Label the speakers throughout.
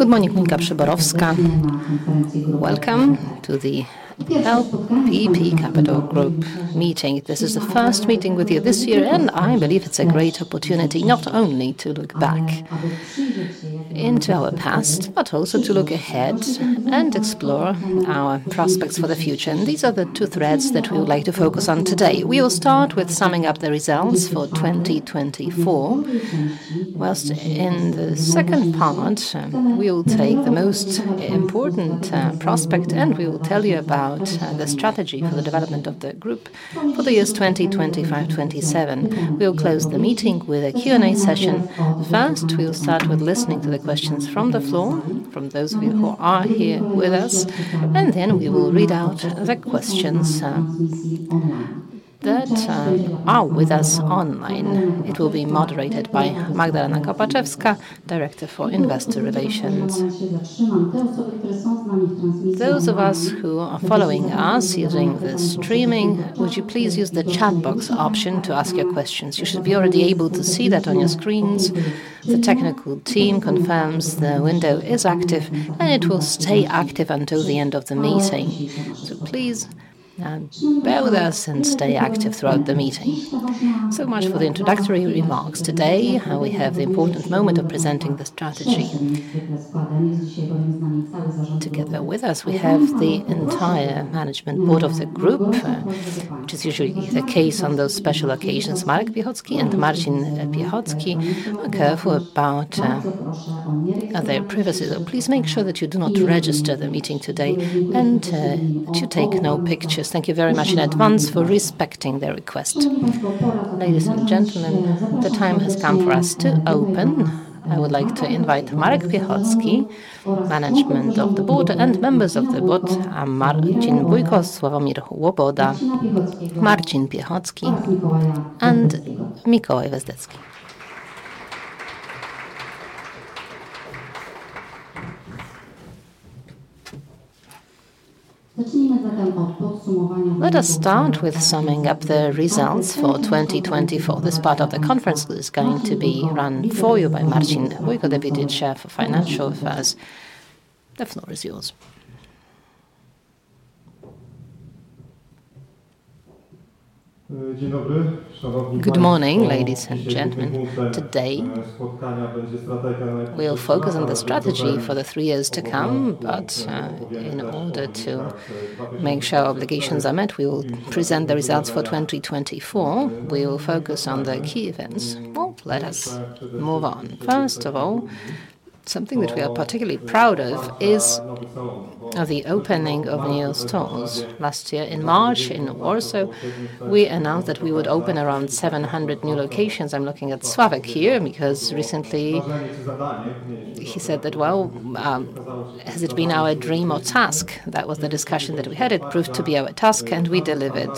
Speaker 1: Good morning, [Minka Przyborowska]. Welcome to the LPP Capital Group meeting. This is the first meeting with you this year, and I believe it's a great opportunity not only to look back into our past, but also to look ahead and explore our prospects for the future. These are the two threads that we would like to focus on today. We will start with summing up the results for 2024. Whilst in the second part, we will take the most important prospect, and we will tell you about the strategy for the development of the group for the years 2025-2027. We will close the meeting with a Q&A session. First, we will start with listening to the questions from the floor, from those who are here with us, and then we will read out the questions that are with us online. It will be moderated by Magdalena Kopaczewska, Director for Investor Relations. Those of us who are following us using the streaming, would you please use the chat box option to ask your questions? You should be already able to see that on your screens. The technical team confirms the window is active, and it will stay active until the end of the meeting. Please bear with us and stay active throughout the meeting. That is all for the introductory remarks. Today, we have the important moment of presenting the strategy. Together with us, we have the entire management board of the group, which is usually the case on those special occasions. Marek Piechocki and Marcin Piechocki will care about their privacy. Please make sure that you do not register the meeting today and that you take no pictures. Thank you very much in advance for respecting their request.
Speaker 2: Ladies and gentlemen, the time has come for us to open. I would like to invite Marek Piechocki, management of the board, and members of the board, Marcin Bójko, Sławomir Łoboda, Marcin Piechocki and Mikołaj Wezdecki. Let us start with summing up the results for 2024. This part of the conference is going to be run for you by Marcin Bójko, the Deputy Chief of Financial Affairs. The floor is yours.
Speaker 3: Good morning, ladies and gentlemen. Today we will focus on the strategy for the three years to come, but in order to make sure our obligations are met, we will present the results for 2024. We will focus on the key events. Let us move on. First of all, something that we are particularly proud of is the opening of new stores last year in March in Warsaw. We announced that we would open around 700 new locations. I'm looking at Sławek here because recently he said that, has it been our dream or task? That was the discussion that we had. It proved to be our task, and we delivered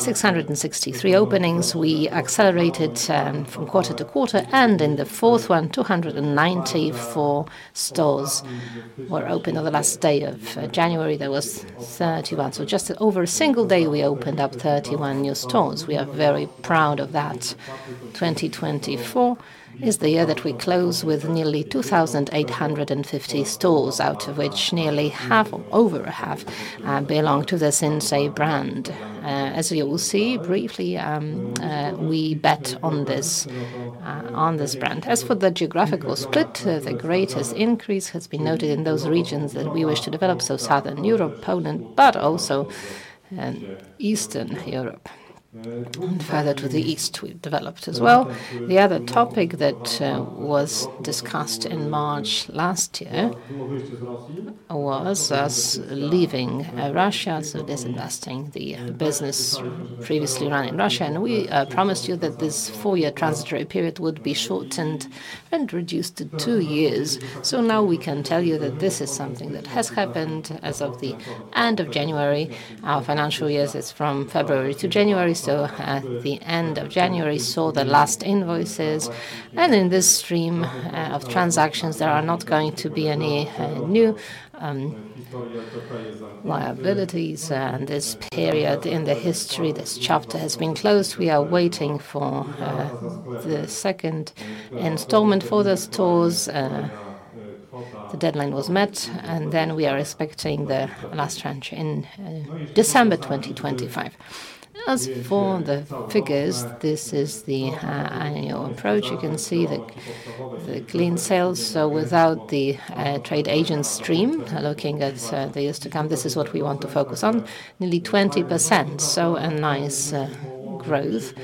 Speaker 3: 663 openings. We accelerated from quarter to quarter, and in the fourth one, 294 stores were opened. On the last day of January, there were 31. Just over a single day, we opened up 31 new stores. We are very proud of that. 2024 is the year that we close with nearly 2,850 stores, out of which nearly half or over half belong to the Sinsay brand. As you will see briefly, we bet on this brand. As for the geographical split, the greatest increase has been noted in those regions that we wish to develop: Southern Europe, Poland, but also Eastern Europe. Further to the east, we developed as well. The other topic that was discussed in March last year was us leaving Russia, disinvesting the business previously run in Russia. We promised you that this four-year transitory period would be shortened and reduced to two years. Now we can tell you that this is something that has happened as of the end of January. Our financial year is from February to January. At the end of January, we saw the last invoices. In this stream of transactions, there are not going to be any new liabilities in this period in the history. This chapter has been closed. We are waiting for the second installment for the stores. The deadline was met, and we are expecting the last tranche in December 2025. As for the figures, this is the annual approach. You can see the clean sales. Without the trade agent stream, looking at the years to come, this is what we want to focus on: nearly 20%. A nice growth.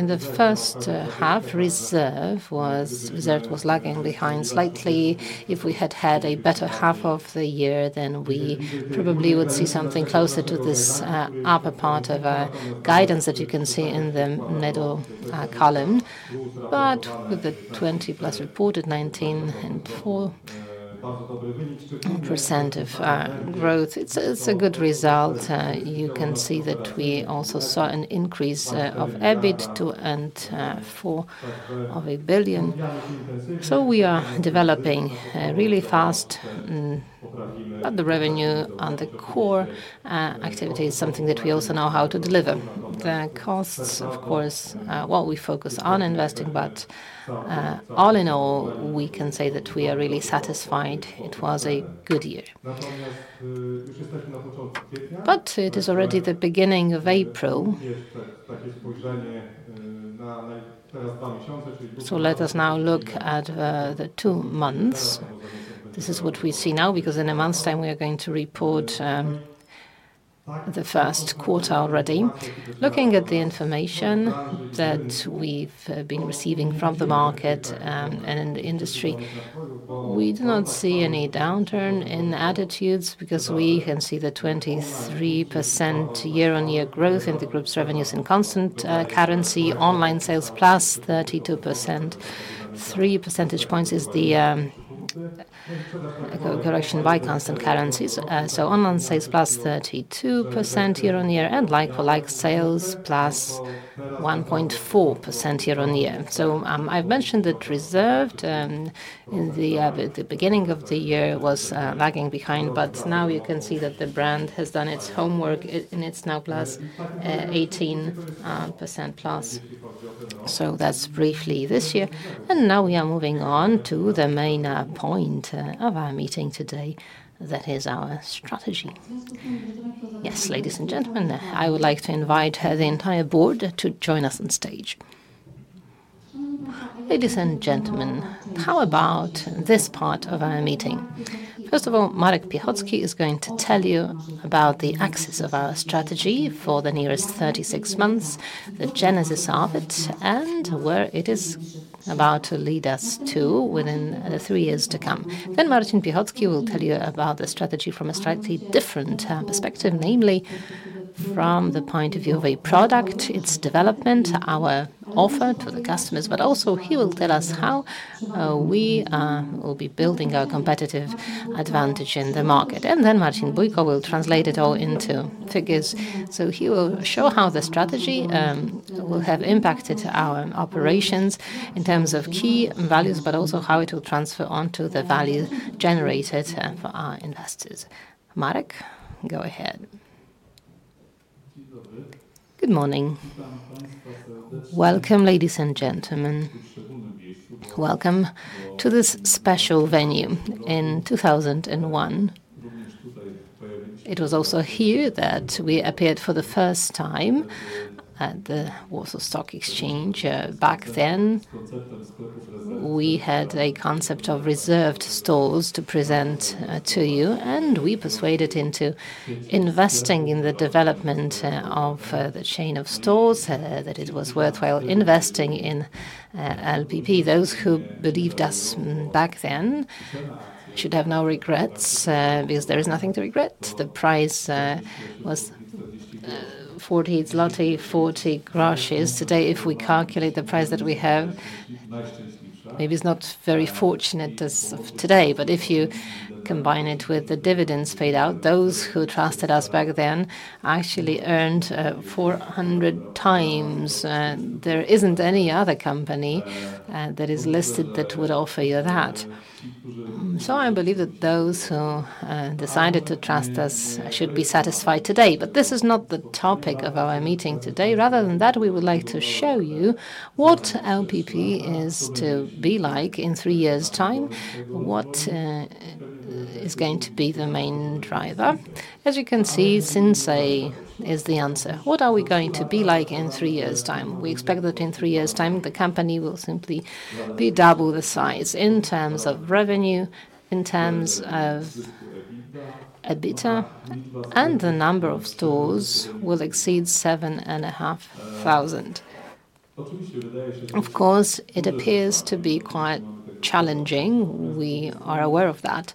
Speaker 3: In the first half, Reserved was lagging behind slightly. If we had had a better half of the year, then we probably would see something closer to this upper part of our guidance that you can see in the middle column. With the 20%+ reported, 19.4% of growth, it's a good result. You can see that we also saw an increase of EBIT to 4 billion. We are developing really fast, but the revenue and the core activity is something that we also know how to deliver. The costs, of course, while we focus on investing, but all in all, we can say that we are really satisfied. It was a good year. It is already the beginning of April. Let us now look at the two months. This is what we see now because in a month's time, we are going to report the first quarter already. Looking at the information that we've been receiving from the market and in the industry, we do not see any downturn in attitudes because we can see the 23% year-on-year growth in the group's revenues in constant currency. Online sales +32%. Three percentage points is the correction by constant currencies. Online sales +32% year-on-year and like-for-like sales +1.4% year-on-year. I have mentioned that Reserved in the beginning of the year was lagging behind, but now you can see that the brand has done its homework, and it's now plus 18%+. That is briefly this year. Now we are moving on to the main point of our meeting today, that is our strategy.
Speaker 2: Yes, ladies and gentlemen, I would like to invite the entire board to join us on stage. Ladies and gentlemen, how about this part of our meeting? First of all, Marek Piechocki is going to tell you about the axis of our strategy for the nearest 36 months, the genesis of it, and where it is about to lead us to within the three years to come. Marcin Piechocki will tell you about the strategy from a slightly different perspective, namely from the point of view of a product, its development, our offer to the customers, but also he will tell us how we will be building our competitive advantage in the market. Marcin Bójko will translate it all into figures. He will show how the strategy will have impacted our operations in terms of key values, but also how it will transfer on to the value generated for our investors. Marek, go ahead.
Speaker 4: Good morning. Welcome, ladies and gentlemen. Welcome to this special venue. In 2001, it was also here that we appeared for the first time at the Warsaw Stock Exchange. Back then, we had a concept of Reserved stores to present to you, and we persuaded into investing in the development of the chain of stores, that it was worthwhile investing in LPP. Those who believed us back then should have no regrets because there is nothing to regret. The price was 40.40 zloty. Today, if we calculate the price that we have, maybe it's not very fortunate as of today, but if you combine it with the dividends paid out, those who trusted us back then actually earned 400x. There isn't any other company that is listed that would offer you that. I believe that those who decided to trust us should be satisfied today. This is not the topic of our meeting today. Rather than that, we would like to show you what LPP is to be like in three years' time, what is going to be the main driver. As you can see, Sinsay is the answer. What are we going to be like in three years' time? We expect that in three years' time, the company will simply be double the size in terms of revenue, in terms of EBITDA, and the number of stores will exceed 7,500. Of course, it appears to be quite challenging. We are aware of that.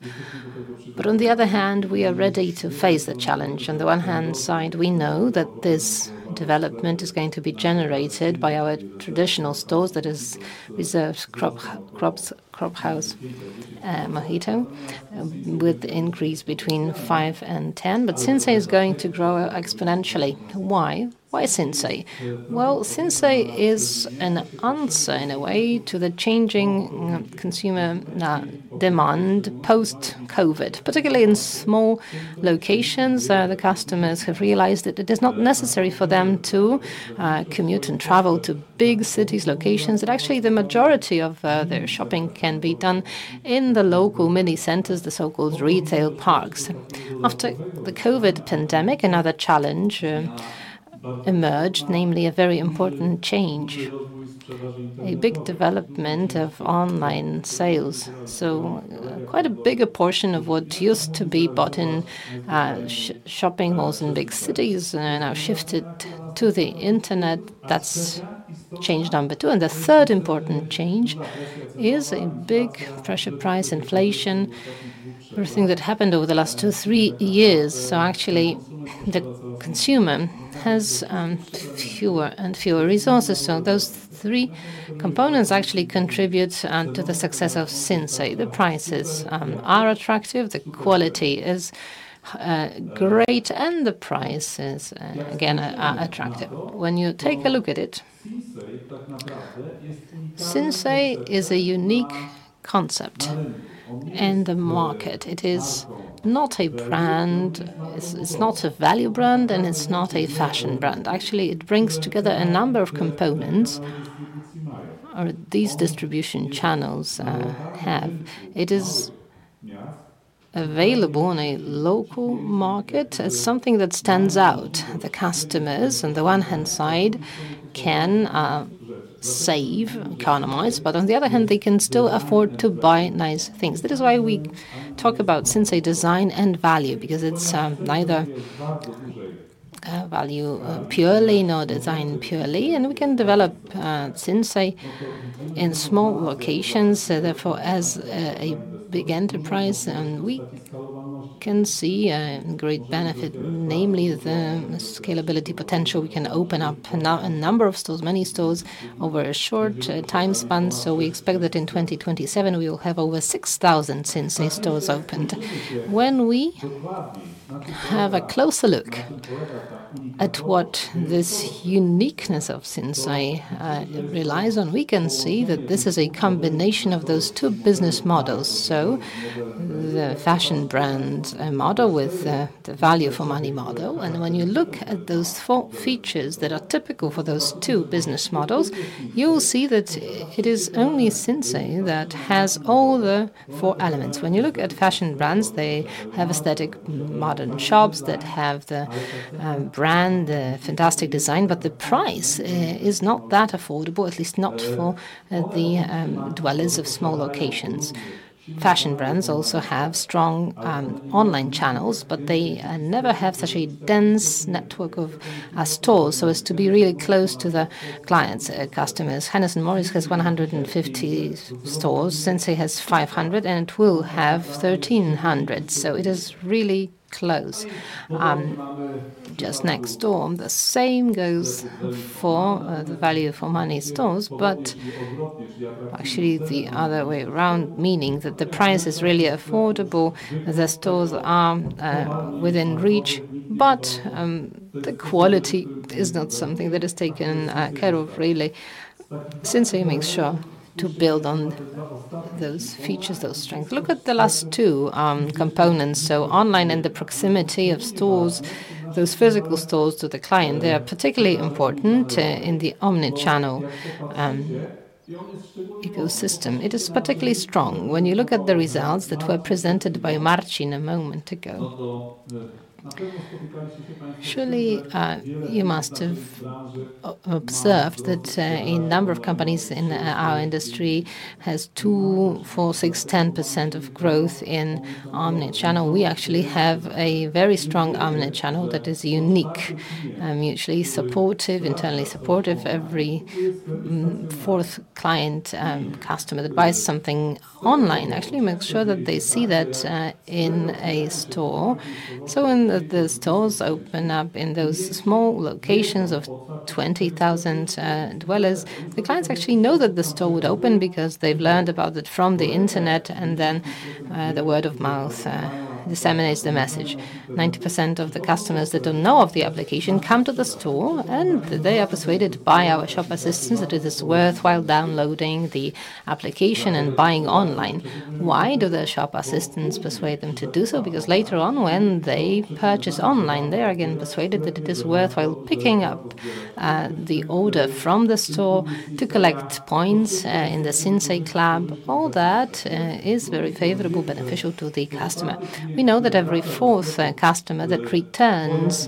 Speaker 4: On the other hand, we are ready to face the challenge. On the one hand side, we know that this development is going to be generated by our traditional stores, that is, Reserved, Cropp, House, Mohito, with the increase between 5 and 10, but Sinsay is going to grow exponentially. Why? Why Sinsay? Sinsay is an answer in a way to the changing consumer demand post-COVID, particularly in small locations. The customers have realized that it is not necessary for them to commute and travel to big cities, locations, that actually the majority of their shopping can be done in the local mini centers, the so-called retail parks. After the COVID pandemic, another challenge emerged, namely a very important change, a big development of online sales. Quite a bigger portion of what used to be bought in shopping malls in big cities now shifted to the internet. That is change number two. The third important change is a big pressure price inflation for things that happened over the last two, three years. Actually, the consumer has fewer and fewer resources. Those three components actually contribute to the success of Sinsay. The prices are attractive, the quality is great, and the price is, again, attractive. When you take a look at it, Sinsay is a unique concept in the market. It is not a brand, it's not a value brand, and it's not a fashion brand. Actually, it brings together a number of components or these distribution channels have. It is available in a local market as something that stands out. The customers on the one hand side can save, economize, but on the other hand, they can still afford to buy nice things. That is why we talk about Sinsay design and value, because it's neither value purely nor design purely. We can develop Sinsay in small locations. Therefore, as a big enterprise, we can see a great benefit, namely the scalability potential. We can open up a number of stores, many stores over a short time span. We expect that in 2027, we will have over 6,000 Sinsay stores opened. When we have a closer look at what this uniqueness of Sinsay relies on, we can see that this is a combination of those two business models. The fashion brand model with the value for money model. When you look at those four features that are typical for those two business models, you'll see that it is only Sinsay that has all the four elements. When you look at fashion brands, they have aesthetic modern shops that have the brand, the fantastic design, but the price is not that affordable, at least not for the dwellers of small locations. Fashion brands also have strong online channels, but they never have such a dense network of stores so as to be really close to the clients, customers. Hennes & Mauritz has 150 stores. Sinsay has 500, and it will have 1,300. It is really close. Just next door, the same goes for the value for money stores, but actually the other way around, meaning that the price is really affordable, the stores are within reach, but the quality is not something that is taken care of really. Sinsay makes sure to build on those features, those strengths. Look at the last two components. Online and the proximity of stores, those physical stores to the client, they are particularly important in the omnichannel ecosystem. It is particularly strong. When you look at the results that were presented by Marcin a moment ago, surely you must have observed that a number of companies in our industry have 2%, 4%, 6%, 10% of growth in omnichannel. We actually have a very strong omnichannel that is unique, mutually supportive, internally supportive. Every fourth client, customer that buys something online actually makes sure that they see that in a store. When the stores open up in those small locations of 20,000 dwellers, the clients actually know that the store would open because they've learned about it from the internet, and the word of mouth disseminates the message. 90% of the customers that don't know of the application come to the store, and they are persuaded by our shop assistants that it is worthwhile downloading the application and buying online. Why do the shop assistants persuade them to do so? Because later on, when they purchase online, they are again persuaded that it is worthwhile picking up the order from the store to collect points in the Sinsay Club. All that is very favorable, beneficial to the customer. We know that every fourth customer that returns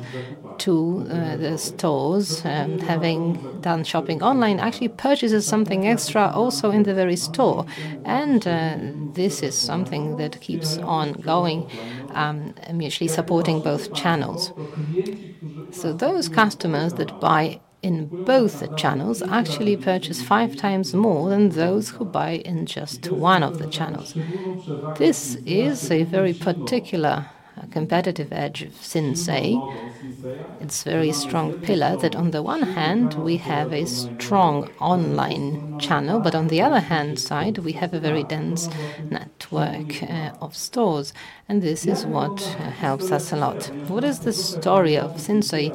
Speaker 4: to the stores having done shopping online actually purchases something extra also in the very store. This is something that keeps on going, mutually supporting both channels. Those customers that buy in both channels actually purchase five times more than those who buy in just one of the channels. This is a very particular competitive edge of Sinsay. It is a very strong pillar that on the one hand, we have a strong online channel, but on the other hand side, we have a very dense network of stores, and this is what helps us a lot. What is the story of Sinsay?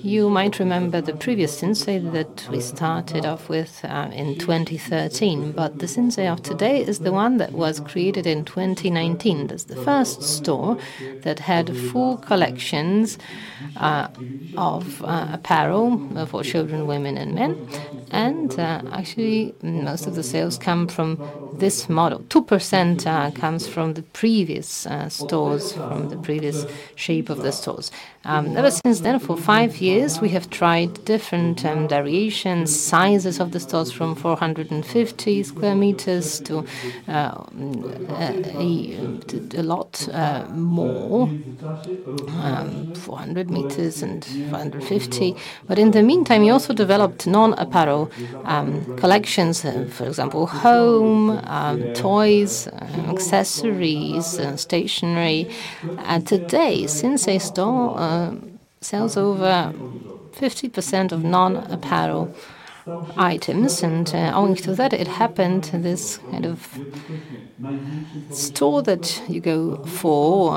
Speaker 4: You might remember the previous Sinsay that we started off with in 2013, but the Sinsay of today is the one that was created in 2019. That's the first store that had full collections of apparel for children, women, and men. Actually, most of the sales come from this model. 2% comes from the previous stores, from the previous shape of the stores. Ever since then, for five years, we have tried different variations, sizes of the stores from 450 sq m to a lot more, 400 sq m and 550 sq m. In the meantime, we also developed non-apparel collections, for example, home, toys, accessories, stationery. Today, Sinsay store sells over 50% of non-apparel items. Owing to that, it happened this kind of store that you go for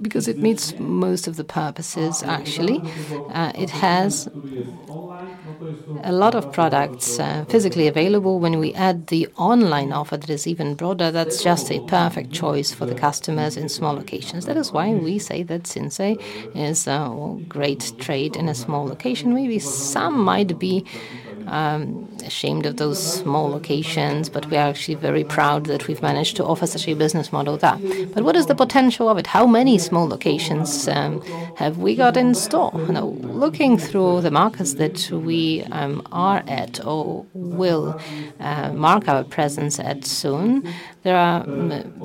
Speaker 4: because it meets most of the purposes, actually. It has a lot of products physically available. When we add the online offer that is even broader, that's just a perfect choice for the customers in small locations. That is why we say that Sinsay is a great trade in a small location. Maybe some might be ashamed of those small locations, but we are actually very proud that we've managed to offer such a business model there. What is the potential of it? How many small locations have we got in store? Now, looking through the markets that we are at or will mark our presence at soon, there are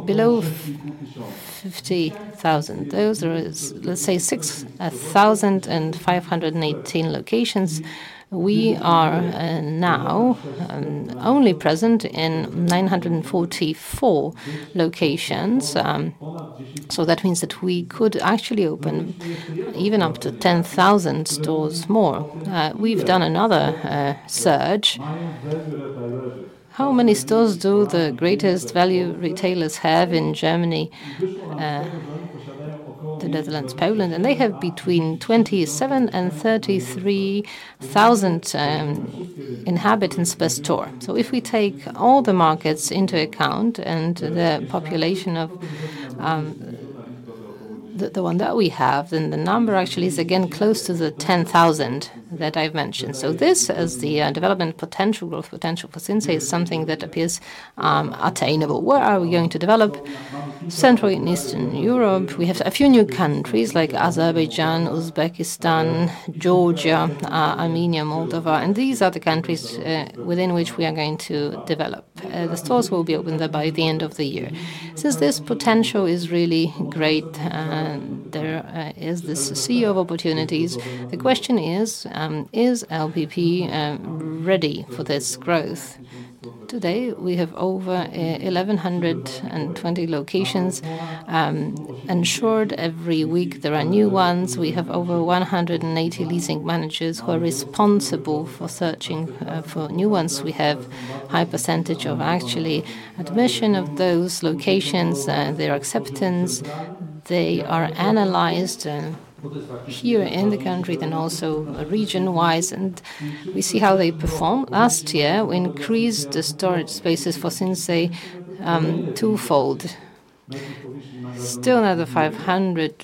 Speaker 4: below 50,000. Let's say 6,518 locations. We are now only present in 944 locations. That means that we could actually open even up to 10,000 stores more. We've done another search. How many stores do the greatest value retailers have in Germany, the Netherlands, Poland? They have between 27,000 and 33,000 inhabitants per store. If we take all the markets into account and the population of the one that we have, then the number actually is again close to the 10,000 that I've mentioned. This, as the development potential for Sinsay, is something that appears attainable. Where are we going to develop? Central and Eastern Europe. We have a few new countries like Azerbaijan, Uzbekistan, Georgia, Armenia, Moldova. These are the countries within which we are going to develop. The stores will be open there by the end of the year. Since this potential is really great, there is this sea of opportunities. The question is, is LPP ready for this growth? Today, we have over 1,120 locations insured every week. There are new ones. We have over 180 leasing managers who are responsible for searching for new ones. We have a high percentage of actually admission of those locations, their acceptance. They are analyzed here in the country, then also region-wise, and we see how they perform. Last year, we increased the storage spaces for Sinsay twofold. Still, another 500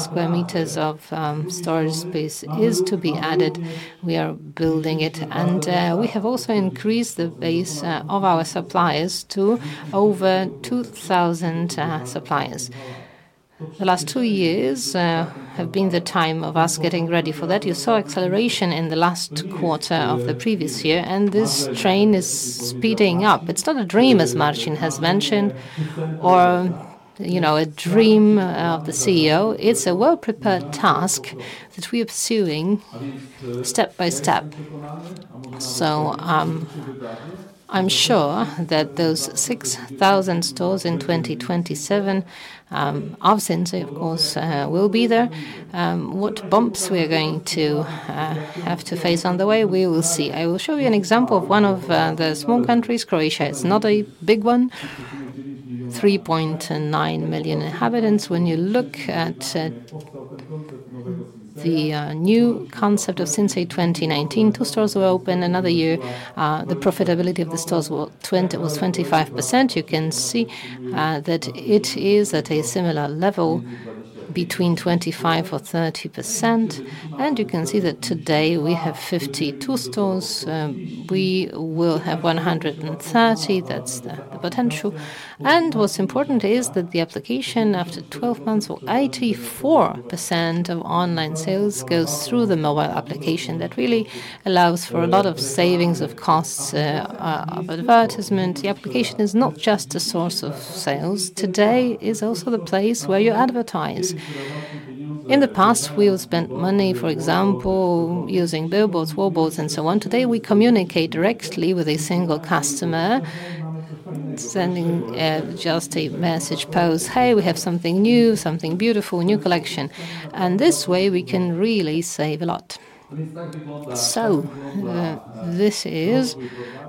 Speaker 4: sq m of storage space is to be added. We are building it, and we have also increased the base of our suppliers to over 2,000 suppliers. The last two years have been the time of us getting ready for that. You saw acceleration in the last quarter of the previous year, and this train is speeding up. It's not a dream, as Marcin has mentioned, or a dream of the CEO. It's a well-prepared task that we are pursuing step by step. I'm sure that those 6,000 stores in 2027 of Sinsay, of course, will be there. What bumps we are going to have to face on the way, we will see. I will show you an example of one of the small countries, Croatia. It is not a big one, 3.9 million inhabitants. When you look at the new concept of Sinsay 2019, two stores were opened another year. The profitability of the stores was 25%. You can see that it is at a similar level between 25%-30%. You can see that today we have 52 stores. We will have 130. That is the potential. What is important is that the application, after 12 months, or 84% of online sales goes through the mobile application. That really allows for a lot of savings of costs of advertisement. The application is not just a source of sales. Today is also the place where you advertise. In the past, we have spent money, for example, using billboards, wallboards, and so on. Today, we communicate directly with a single customer, sending just a message post, "Hey, we have something new, something beautiful, new collection." This way, we can really save a lot. This is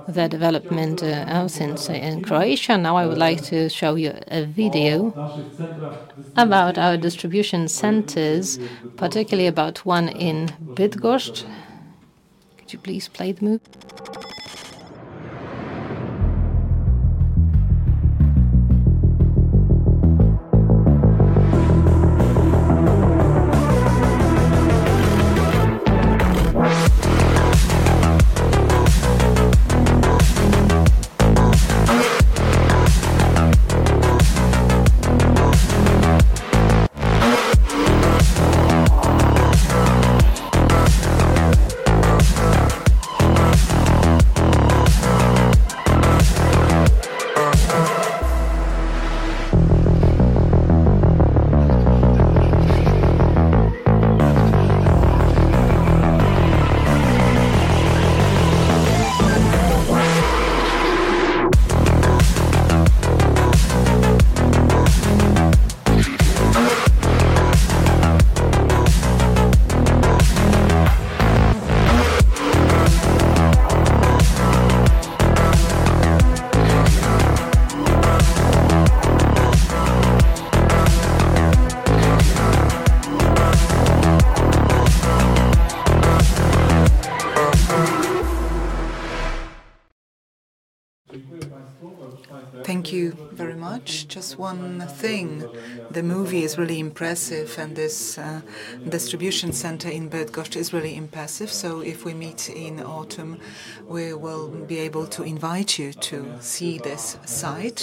Speaker 4: the development of Sinsay in Croatia. Now, I would like to show you a video about our distribution centers, particularly about one in Bydgoszcz. Could you please play the movie? Thank you very much. Just one thing. The movie is really impressive, and this distribution center in Bydgoszcz is really impressive. If we meet in autumn, we will be able to invite you to see this site.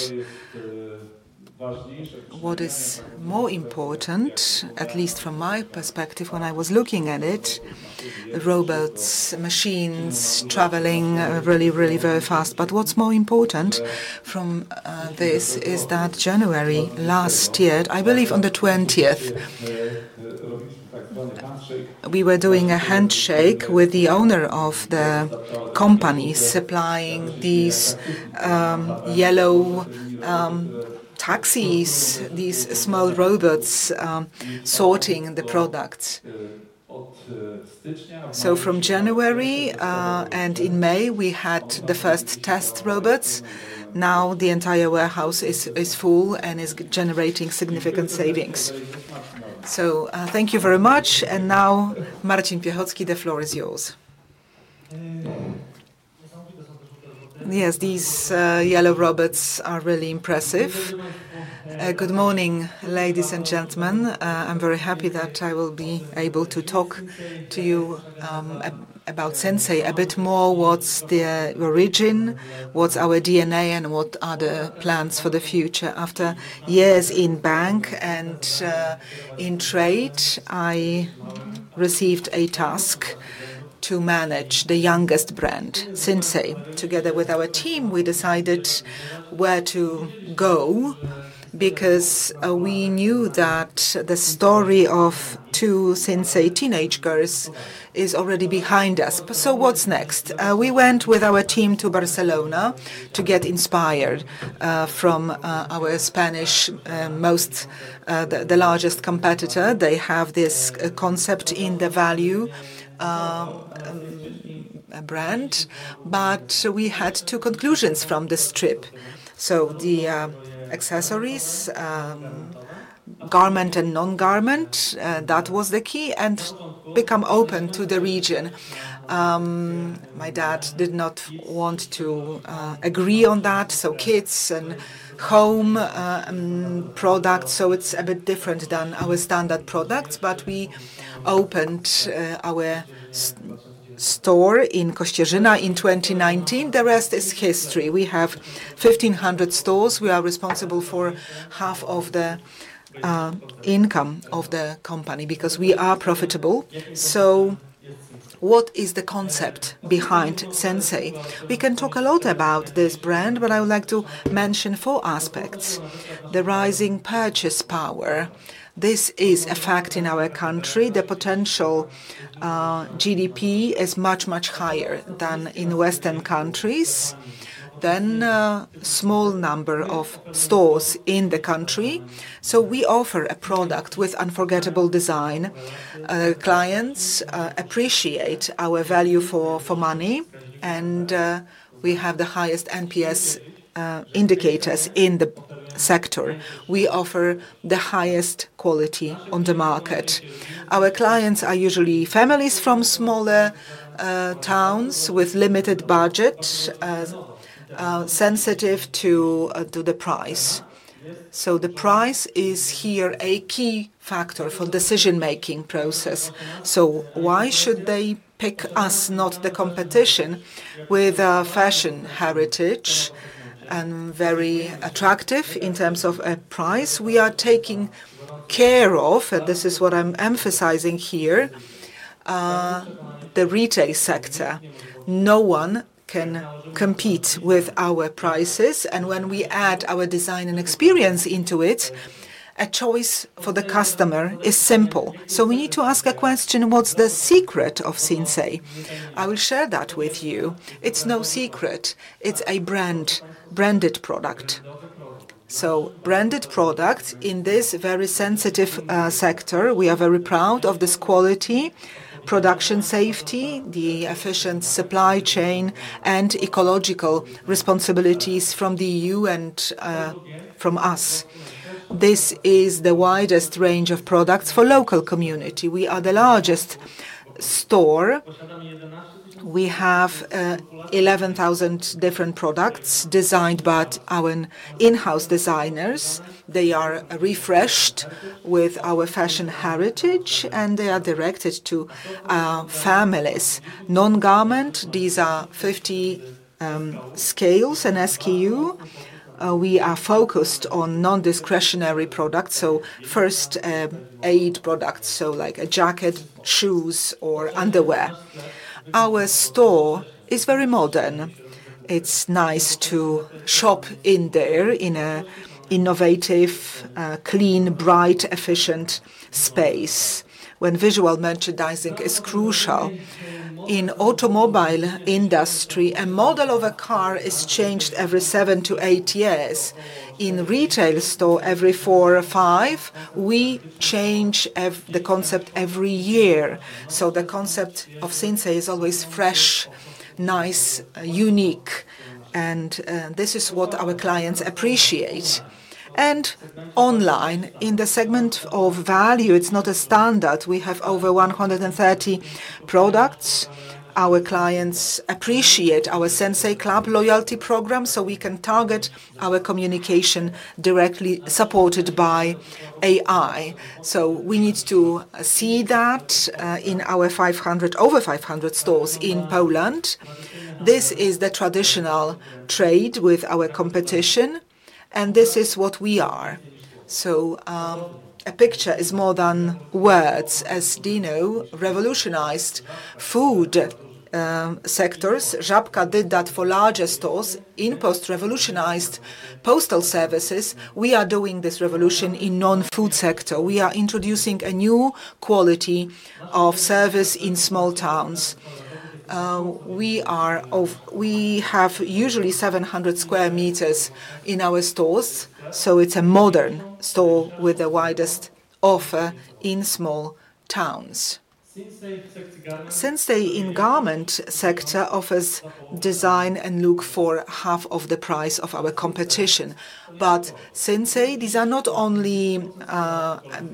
Speaker 4: What is more important, at least from my perspective, when I was looking at it, robots, machines traveling really, really very fast. What is more important from this is that January, last year, I believe on the 20th, we were doing a handshake with the owner of the company supplying these yellow taxis, these small robots sorting the products. From January and in May, we had the first test robots. Now the entire warehouse is full and is generating significant savings. Thank you very much. Now, Marcin Piechocki, the floor is yours.
Speaker 5: Yes, these yellow robots are really impressive. Good morning, ladies and gentlemen. I am very happy that I will be able to talk to you about Sinsay a bit more. What is the origin, what is our DNA, and what are the plans for the future? After years in bank and in trade, I received a task to manage the youngest brand, Sinsay. Together with our team, we decided where to go because we knew that the story of two Sinsay teenage girls is already behind us. What's next? We went with our team to Barcelona to get inspired from our Spanish, the largest competitor. They have this concept in the value brand. We had two conclusions from this trip. The accessories, garment and non-garment, that was the key, and become open to the region. My dad did not want to agree on that. Kids and home products, so it's a bit different than our standard products. We opened our store in Kościerzyna in 2019. The rest is history. We have 1,500 stores. We are responsible for half of the income of the company because we are profitable. What is the concept behind Sinsay? We can talk a lot about this brand, but I would like to mention four aspects: the rising purchase power. This is a fact in our country. The potential GDP is much, much higher than in Western countries, than a small number of stores in the country. We offer a product with unforgettable design. Clients appreciate our value for money, and we have the highest NPS indicators in the sector. We offer the highest quality on the market. Our clients are usually families from smaller towns with limited budget, sensitive to the price. The price is here a key factor for the decision-making process. Why should they pick us, not the competition, with a fashion heritage and very attractive in terms of a price? We are taking care of, and this is what I'm emphasizing here, the retail sector. No one can compete with our prices. When we add our design and experience into it, a choice for the customer is simple. We need to ask a question: what's the secret of Sinsay? I will share that with you. It's no secret. It's a branded product. Branded products in this very sensitive sector. We are very proud of this quality, production safety, the efficient supply chain, and ecological responsibilities from the EU and from us. This is the widest range of products for the local community. We are the largest store. We have 11,000 different products designed by our in-house designers. They are refreshed with our fashion heritage, and they are directed to families. Non-garment, these are 50 scales and SKU. We are focused on non-discretionary products, so first-aid products, like a jacket, shoes, or underwear. Our store is very modern. It's nice to shop in there in an innovative, clean, bright, efficient space when visual merchandising is crucial. In the automobile industry, a model of a car is changed every 7 years-8 years. In a retail store, every 4 or 5, we change the concept every year. The concept of Sinsay is always fresh, nice, unique, and this is what our clients appreciate. Online, in the segment of value, it's not a standard. We have over 130 products. Our clients appreciate our Sinsay Club loyalty program, so we can target our communication directly supported by AI. We need to see that in our over 500 stores in Poland. This is the traditional trade with our competition, and this is what we are. A picture is more than words. As Dino revolutionized food sectors, Żabka did that for larger stores. InPost revolutionized postal services. We are doing this revolution in the non-food sector. We are introducing a new quality of service in small towns. We have usually 700 sq m in our stores, so it is a modern store with the widest offer in small towns. Sinsay in the garment sector offers design and look for half of the price of our competition. Sinsay,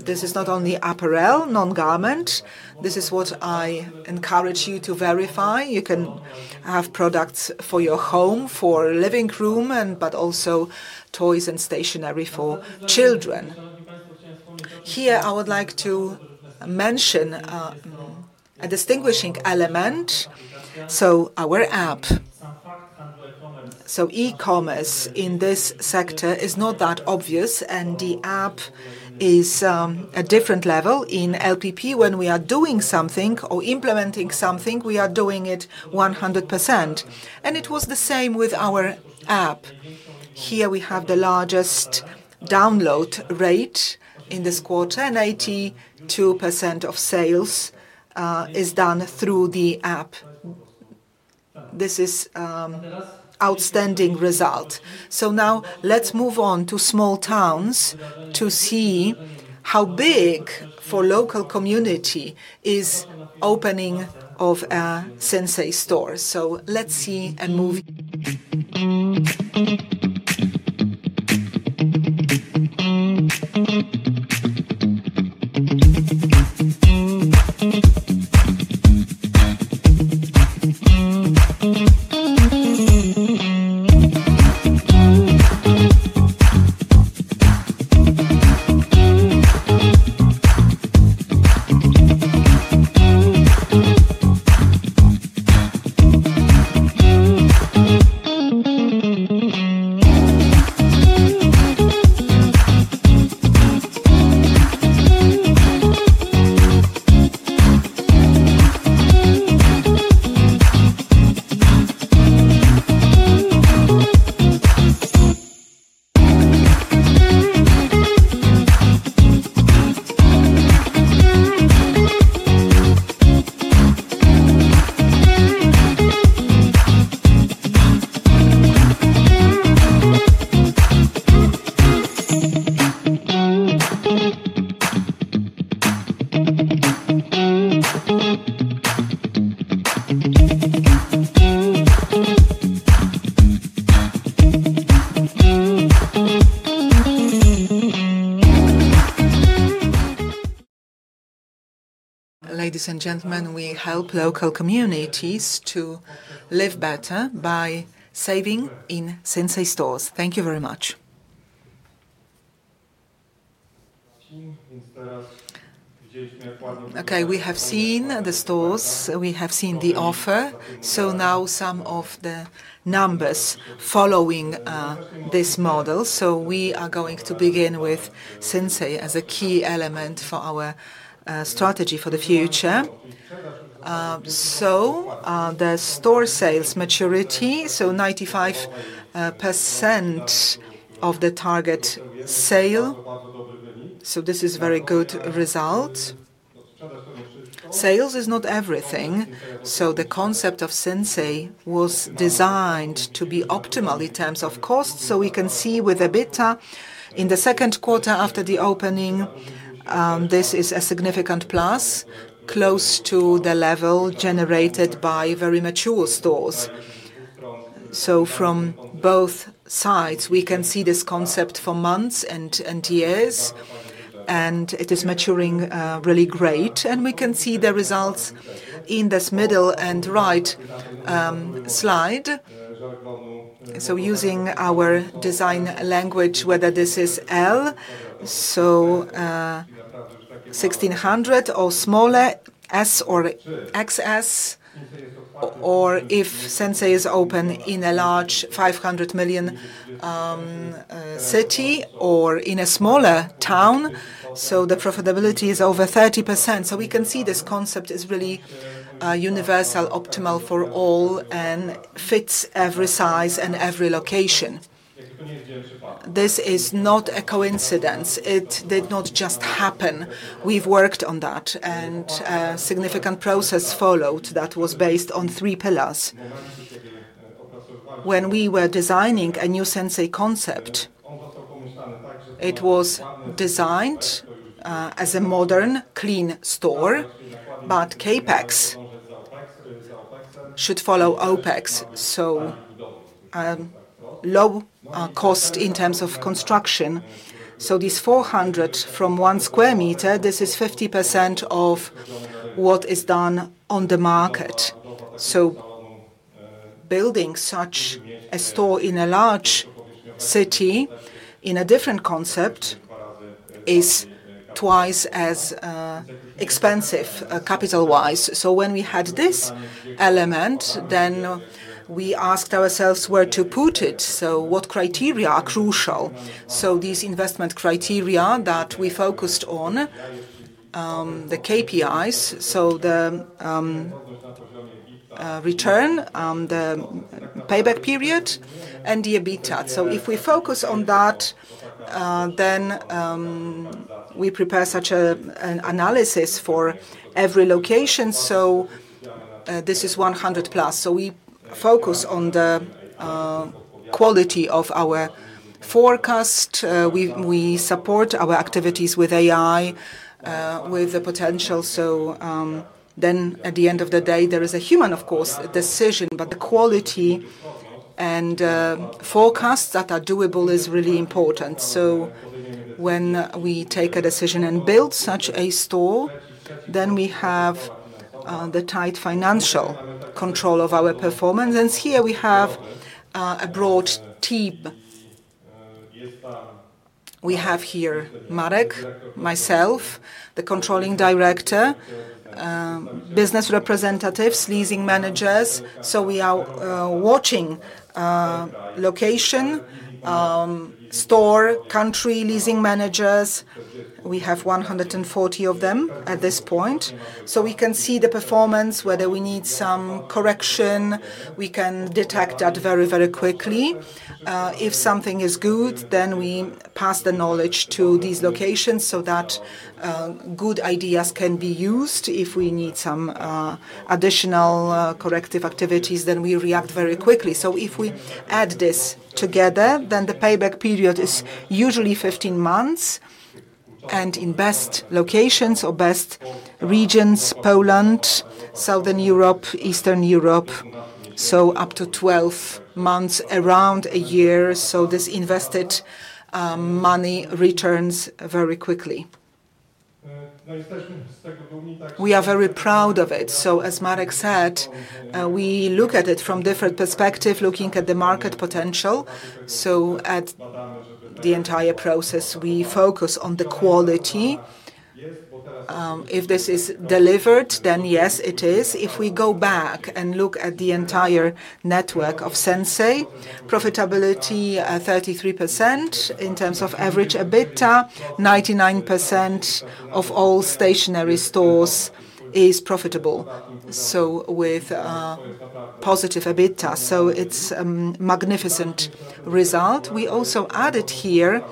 Speaker 5: this is not only apparel, non-garment. This is what I encourage you to verify. You can have products for your home, for the living room, but also toys and stationery for children. Here, I would like to mention a distinguishing element. Our app, e-commerce in this sector is not that obvious, and the app is a different level. In LPP, when we are doing something or implementing something, we are doing it 100%. It was the same with our app. Here we have the largest download rate in this quarter, and 82% of sales is done through the app. This is an outstanding result. Now let's move on to small towns to see how big for the local community is the opening of Sinsay stores. Let's see a movie. Ladies and gentlemen, we help local communities to live better by saving in Sinsay stores. Thank you very much. Okay, we have seen the stores. We have seen the offer. Now some of the numbers following this model. We are going to begin with Sinsay as a key element for our strategy for the future. The store sales maturity, 95% of the target sale. This is a very good result. Sales is not everything. The concept of Sinsay was designed to be optimal in terms of cost. We can see with EBITDA in the second quarter after the opening, this is a significant plus, close to the level generated by very mature stores. From both sides, we can see this concept for months and years, and it is maturing really great. We can see the results in this middle and right slide. Using our design language, whether this is L, so 1,600 or smaller, S or XS, or if Sinsay is open in a large 500 million city or in a smaller town, the profitability is over 30%. We can see this concept is really universal, optimal for all, and fits every size and every location. This is not a coincidence. It did not just happen. We've worked on that, and a significant process followed that was based on three pillars. When we were designing a new Sinsay concept, it was designed as a modern, clean store, but CapEx should follow OpEx, so low cost in terms of construction. This 400 from 1 sq m, this is 50% of what is done on the market. Building such a store in a large city in a different concept is twice as expensive capital-wise. When we had this element, we asked ourselves where to put it. What criteria are crucial? These investment criteria that we focused on, the KPIs, the return, the payback period, and the EBITDA. If we focus on that, we prepare such an analysis for every location. This is 100+. We focus on the quality of our forecast. We support our activities with AI, with the potential. At the end of the day, there is a human, of course, decision, but the quality and forecasts that are doable is really important. When we take a decision and build such a store, then we have the tight financial control of our performance. Here we have a broad team. We have here Marek, myself, the Controlling Director, business representatives, leasing managers. We are watching location, store, country leasing managers. We have 140 of them at this point. We can see the performance, whether we need some correction. We can detect that very, very quickly. If something is good, then we pass the knowledge to these locations so that good ideas can be used. If we need some additional corrective activities, then we react very quickly. If we add this together, then the payback period is usually 15 months. In best locations or best regions, Poland, Southern Europe, Eastern Europe, up to 12 months, around a year. This invested money returns very quickly. We are very proud of it. As Marek said, we look at it from a different perspective, looking at the market potential. At the entire process, we focus on the quality. If this is delivered, then yes, it is. If we go back and look at the entire network of Sinsay, profitability 33% in terms of average EBITDA, 99% of all stationery stores is profitable. With positive EBITDA, it is a magnificent result. We also added here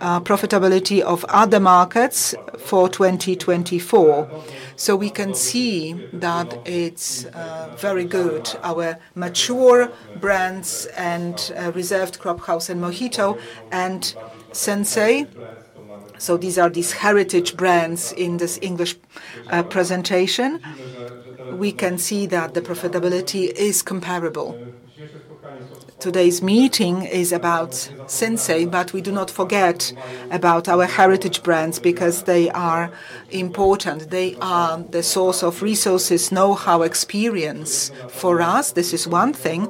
Speaker 5: profitability of other markets for 2024. We can see that it is very good, our mature brands and Reserved, Cropp, House, and Mohito and Sinsay. These are these heritage brands in this English presentation. We can see that the profitability is comparable. Today's meeting is about Sinsay, but we do not forget about our heritage brands because they are important. They are the source of resources, know-how, experience for us. This is one thing.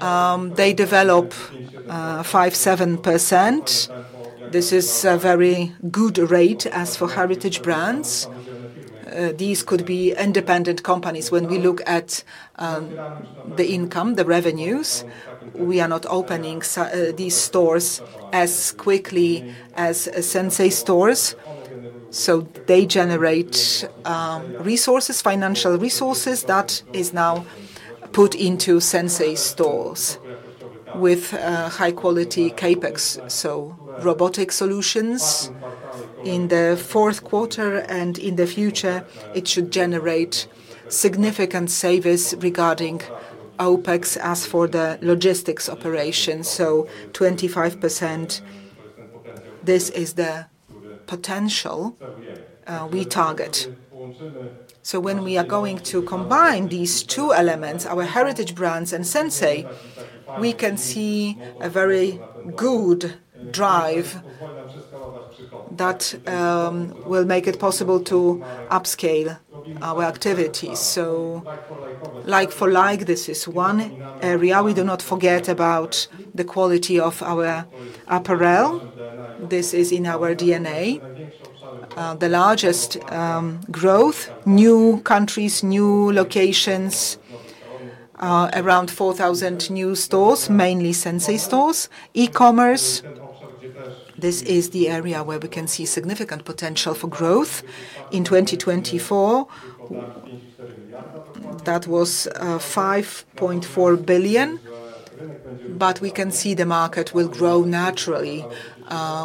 Speaker 5: They develop 5%, 7%. This is a very good rate as for heritage brands. These could be independent companies. When we look at the income, the revenues, we are not opening these stores as quickly as Sinsay stores. They generate resources, financial resources that are now put into Sinsay stores with high-quality CapEx. Robotic solutions in the fourth quarter and in the future, it should generate significant savings regarding OpEx as for the logistics operation. 25%, this is the potential we target. When we are going to combine these two elements, our heritage brands and Sinsay, we can see a very good drive that will make it possible to upscale our activities. Like-for-like, this is one area. We do not forget about the quality of our apparel. This is in our DNA. The largest growth, new countries, new locations, around 4,000 new stores, mainly Sinsay stores, e-commerce. This is the area where we can see significant potential for growth in 2024. That was 5.4 billion, but we can see the market will grow naturally.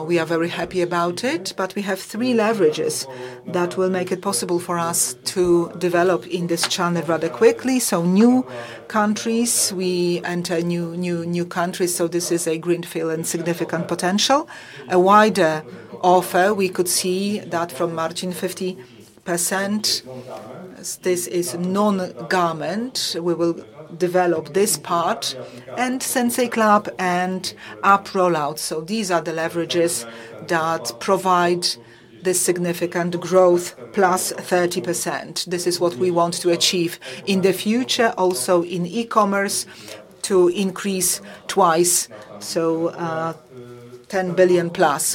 Speaker 5: We are very happy about it, but we have three leverages that will make it possible for us to develop in this channel rather quickly. New countries, we enter new countries. This is a greenfield and significant potential. A wider offer, we could see that from margin 50%. This is non-garment. We will develop this part and Sinsay Club and app rollout. These are the leverages that provide this significant growth +30%. This is what we want to achieve in the future, also in e-commerce to increase twice. 10 billion+.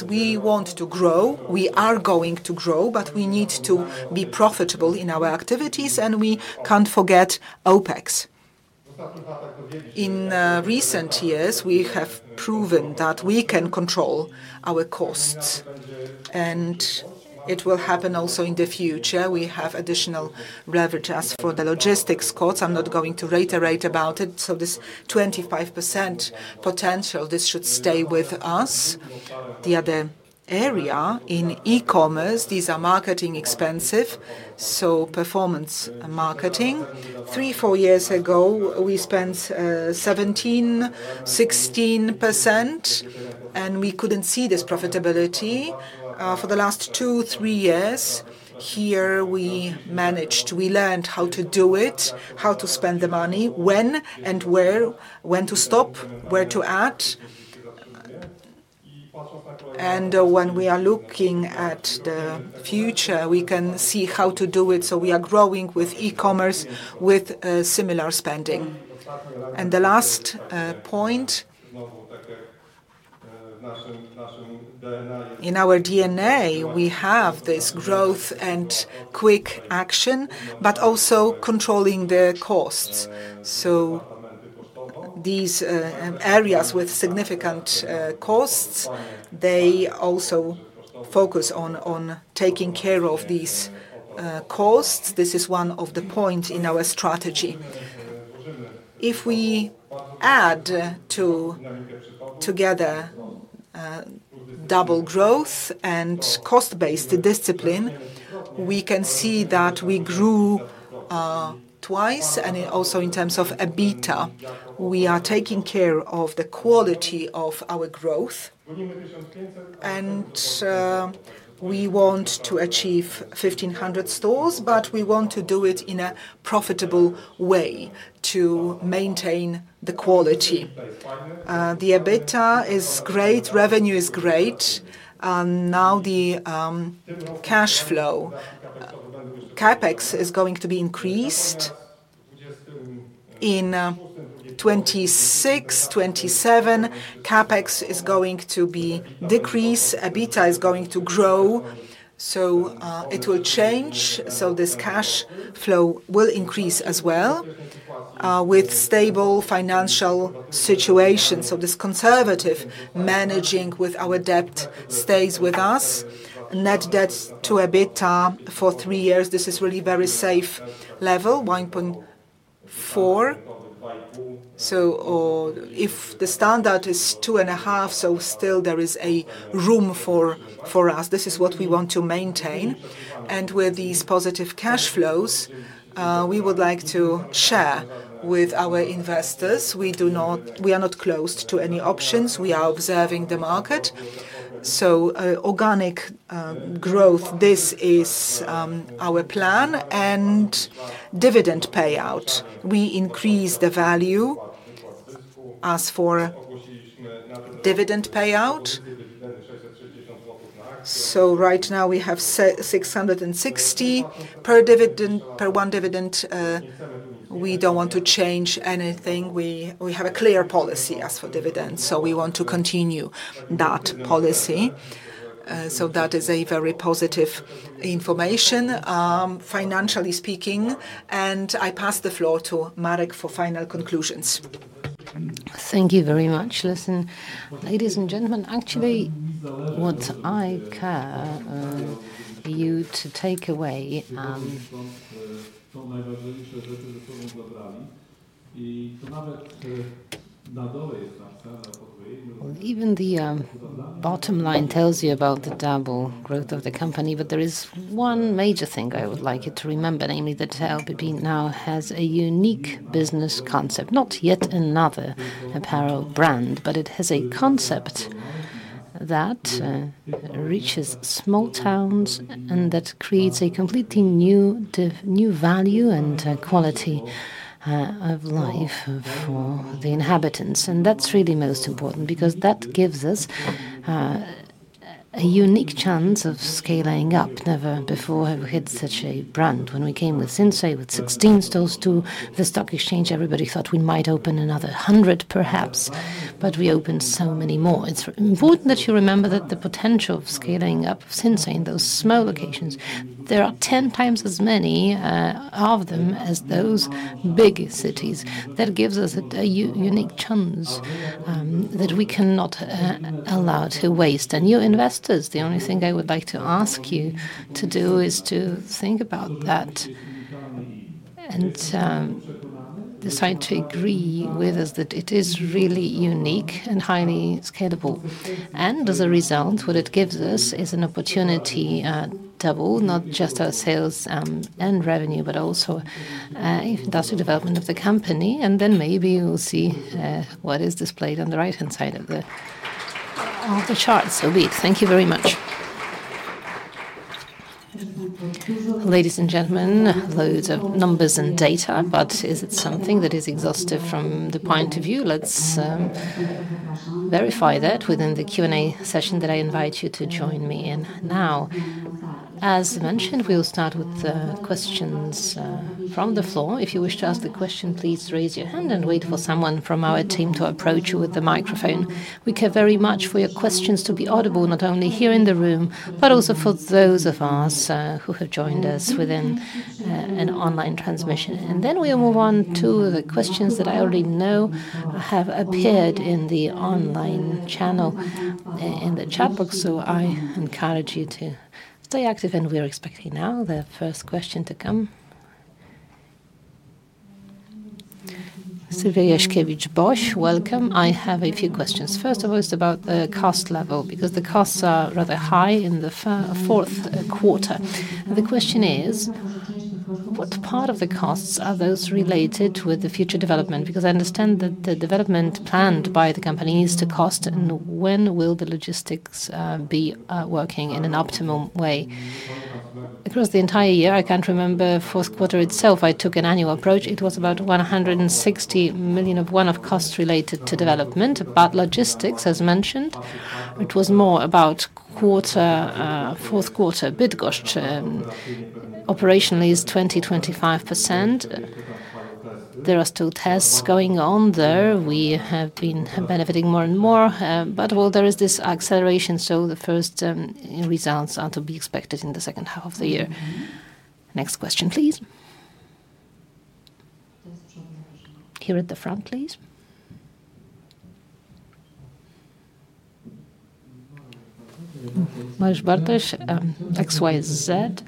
Speaker 5: We want to grow. We are going to grow, but we need to be profitable in our activities, and we can't forget OpEx. In recent years, we have proven that we can control our costs, and it will happen also in the future. We have additional leverage as for the logistics costs. I'm not going to reiterate about it. This 25% potential, this should stay with us. The other area in e-commerce, these are marketing expenses, so performance marketing. Three, four years ago, we spent 17%, 16%, and we couldn't see this profitability for the last two, three years. Here we managed, we learned how to do it, how to spend the money, when and where, when to stop, where to add. When we are looking at the future, we can see how to do it. We are growing with e-commerce with similar spending. The last point, in our DNA, we have this growth and quick action, but also controlling the costs. These areas with significant costs also focus on taking care of these costs. This is one of the points in our strategy. If we add together double growth and cost-based discipline, we can see that we grew twice, and also in terms of EBITDA, we are taking care of the quality of our growth. We want to achieve 1,500 stores, but we want to do it in a profitable way to maintain the quality. The EBITDA is great, revenue is great. Now the cash flow, CapEx is going to be increased. In 2026, 2027, CapEx is going to be decreased, EBITDA is going to grow, it will change. This cash flow will increase as well with stable financial situation. This conservative managing with our debt stays with us. Net debt to EBITDA for three years, this is really very safe level, 1.4. If the standard is two and a half, still there is a room for us. This is what we want to maintain. With these positive cash flows, we would like to share with our investors. We are not closed to any options. We are observing the market. Organic growth, this is our plan and dividend payout. We increase the value as for dividend payout. Right now we have 660 per dividend, per one dividend. We do not want to change anything. We have a clear policy as for dividends. We want to continue that policy. That is a very positive information, financially speaking. I pass the floor to Marek for final conclusions.
Speaker 4: Thank you very much. Listen, ladies and gentlemen, actually what I care for you to take away. Even the bottom line tells you about the double growth of the company, but there is one major thing I would like you to remember, namely that LPP now has a unique business concept, not yet another apparel brand, but it has a concept that reaches small towns and that creates a completely new value and quality of life for the inhabitants. That is really most important because that gives us a unique chance of scaling up. Never before have we hit such a brand. When we came with Sinsay with 16 stores to the stock exchange, everybody thought we might open another 100 perhaps, but we opened so many more. It is important that you remember that the potential of scaling up Sinsay in those small locations, there are 10 times as many of them as those big cities. That gives us a unique chance that we cannot allow to waste. You investors, the only thing I would like to ask you to do is to think about that and decide to agree with us that it is really unique and highly scalable. As a result, what it gives us is an opportunity to double not just our sales and revenue, but also the development of the company. Maybe we will see what is displayed on the right-hand side of the chart. Thank you very much.
Speaker 2: Ladies and gentlemen, loads of numbers and data, but is it something that is exhaustive from the point of view? Let's verify that within the Q&A session that I invite you to join me in now. As mentioned, we will start with questions from the floor. If you wish to ask a question, please raise your hand and wait for someone from our team to approach you with the microphone. We care very much for your questions to be audible, not only here in the room, but also for those of us who have joined us within an online transmission. We will move on to the questions that I already know have appeared in the online channel in the chat box. I encourage you to stay active, and we are expecting now the first question to come. Sylwia Jaśkiewicz BOŚ, welcome.
Speaker 6: I have a few questions. First of all, it's about the cost level because the costs are rather high in the fourth quarter. The question is, what part of the costs are those related with the future development? Because I understand that the development planned by the company is to cost, and when will the logistics be working in an optimum way?
Speaker 4: Across the entire year, I can't remember fourth quarter itself. I took an annual approach. It was about 160 million of one-off costs related to development, but logistics, as mentioned, it was more about fourth quarter. Bydgoszcz operationally is 20%-25%. There are still tests going on there. We have been benefiting more and more, but there is this acceleration. The first results are to be expected in the second half of the year.
Speaker 2: Next question, please. Here at the front, please. [Marek Bartosz], XYZ,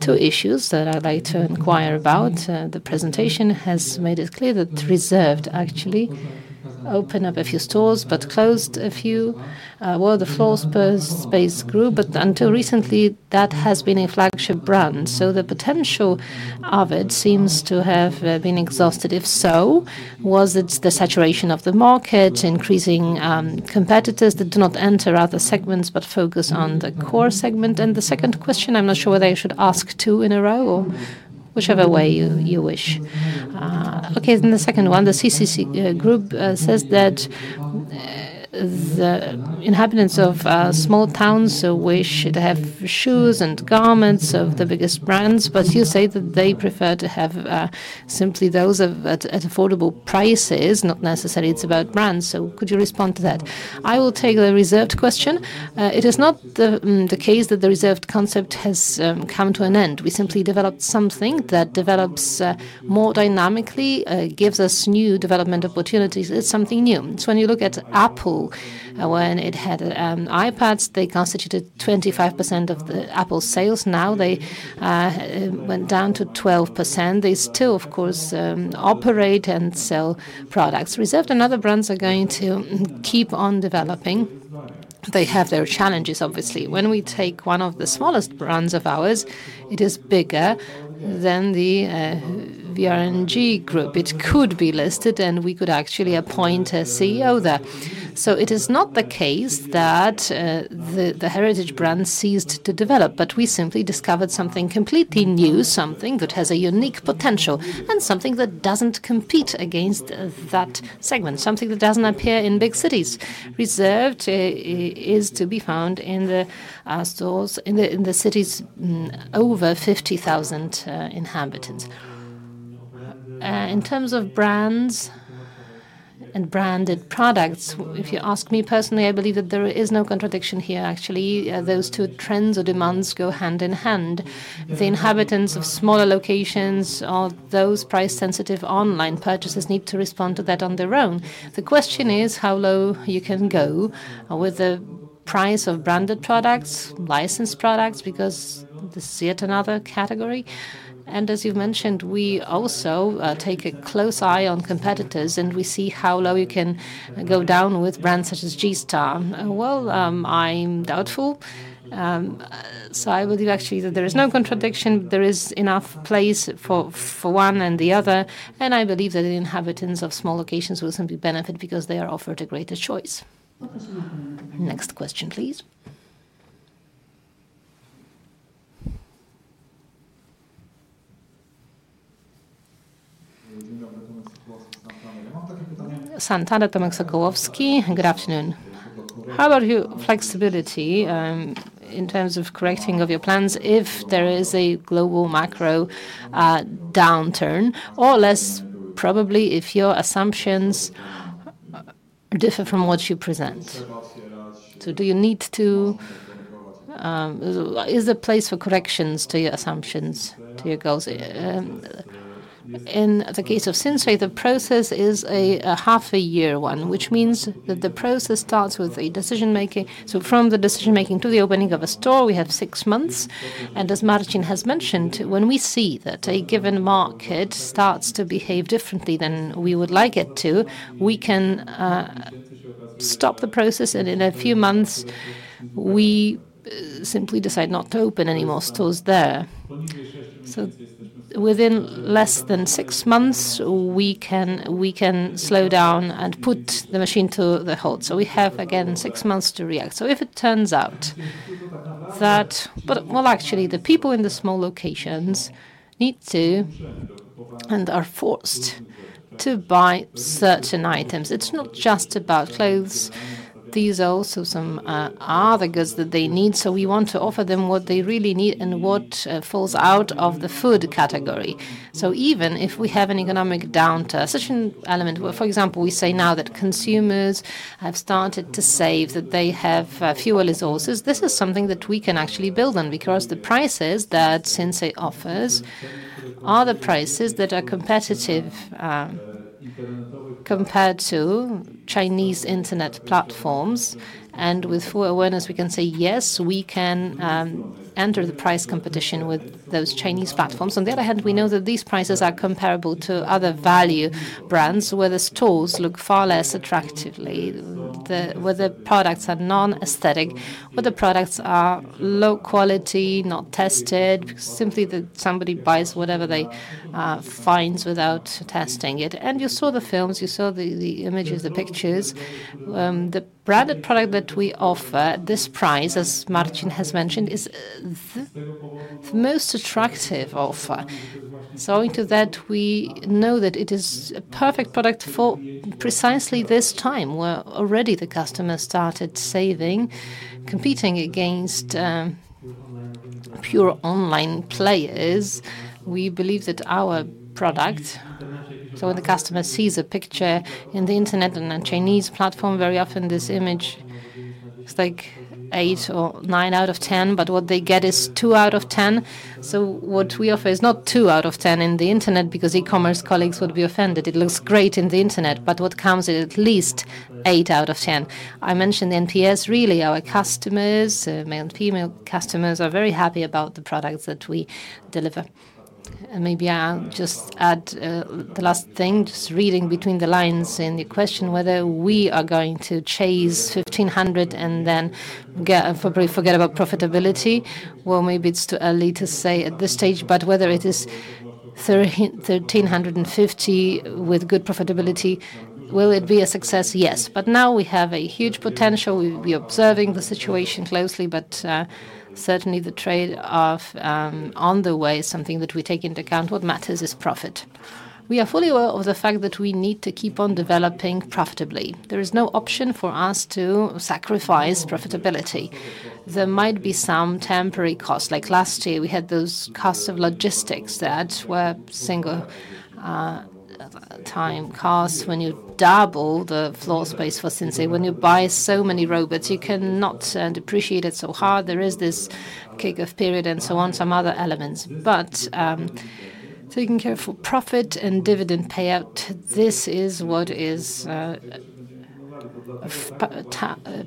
Speaker 2: two issues that I'd like to inquire about. The presentation has made it clear that Reserved actually opened up a few stores but closed a few. The floor space grew, but until recently, that has been a flagship brand. The potential of it seems to have been exhausted. If so, was it the saturation of the market, increasing competitors that do not enter other segments but focus on the core segment? The second question, I'm not sure whether you should ask two in a row or whichever way you wish. The second one, the CCC Group says that the inhabitants of small towns wish to have shoes and garments of the biggest brands, but you say that they prefer to have simply those at affordable prices, not necessarily it's about brands. Could you respond to that?
Speaker 5: I will take the Reserved question. It is not the case that the Reserved concept has come to an end. We simply developed something that develops more dynamically, gives us new development opportunities. It's something new. When you look at Apple, when it had iPads, they constituted 25% of the Apple sales. Now they went down to 12%. They still, of course, operate and sell products. Reserved and other brands are going to keep on developing. They have their challenges, obviously. When we take one of the smallest brands of ours, it is bigger than the VRNG group. It could be listed, and we could actually appoint a CEO there. It is not the case that the heritage brand ceased to develop, but we simply discovered something completely new, something that has a unique potential, and something that does not compete against that segment, something that does not appear in big cities. Reserved is to be found in the stores in the cities over 50,000 inhabitants. In terms of brands and branded products, if you ask me personally, I believe that there is no contradiction here. Actually, those two trends or demands go hand in hand. The inhabitants of smaller locations or those price-sensitive online purchases need to respond to that on their own. The question is how low you can go with the price of branded products, licensed products, because this is yet another category. As you've mentioned, we also take a close eye on competitors, and we see how low you can go down with brands such as G-Star. I'm doubtful. I believe actually that there is no contradiction, but there is enough place for one and the other. I believe that the inhabitants of small locations will simply benefit because they are offered a greater choice.
Speaker 2: Next question, please. Santander Tomasz Sokołowski, good afternoon.
Speaker 7: How about your flexibility in terms of correcting your plans if there is a global macro downturn or, less probably, if your assumptions differ from what you present? Do you need to, is there place for corrections to your assumptions, to your goals? In the case of Sinsay, the process is a half-a-year one, which means that the process starts with a decision-making.
Speaker 4: From the decision-making to the opening of a store, we have six months. As Marcin has mentioned, when we see that a given market starts to behave differently than we would like it to, we can stop the process, and in a few months, we simply decide not to open any more stores there. Within less than six months, we can slow down and put the machine to the halt. We have, again, six months to react. If it turns out that, well, actually, the people in the small locations need to and are forced to buy certain items. It's not just about clothes. These are also some other goods that they need. We want to offer them what they really need and what falls out of the food category. Even if we have an economic downturn, such an element, for example, we say now that consumers have started to save, that they have fewer resources, this is something that we can actually build on because the prices that Sinsay offers are the prices that are competitive compared to Chinese internet platforms. With full awareness, we can say, yes, we can enter the price competition with those Chinese platforms. On the other hand, we know that these prices are comparable to other value brands where the stores look far less attractive, where the products are non-aesthetic, where the products are low quality, not tested, simply that somebody buys whatever they find without testing it. You saw the films, you saw the images, the pictures. The branded product that we offer at this price, as Marcin has mentioned, is the most attractive offer. We know that it is a perfect product for precisely this time where already the customer started saving, competing against pure online players. We believe that our product, so when the customer sees a picture in the internet on a Chinese platform, very often this image is like eight or nine out of ten, but what they get is two out of ten. What we offer is not two out of ten in the internet because e-commerce colleagues would be offended. It looks great in the internet, but what comes is at least eight out of ten. I mentioned NPS. Really, our customers, male and female customers, are very happy about the products that we deliver. Maybe I'll just add the last thing, just reading between the lines in the question, whether we are going to chase 1,500 and then forget about profitability. Maybe it's too early to say at this stage, but whether it is 1,350 with good profitability, will it be a success? Yes. Now we have a huge potential. We'll be observing the situation closely, but certainly the trade-off on the way is something that we take into account. What matters is profit. We are fully aware of the fact that we need to keep on developing profitably. There is no option for us to sacrifice profitability. There might be some temporary costs. Like last year, we had those costs of logistics that were single-time costs. When you double the floor space for Sinsay, when you buy so many robots, you cannot depreciate it so hard. There is this kick-off period and so on, some other elements. Taking care for profit and dividend payout, this is what is of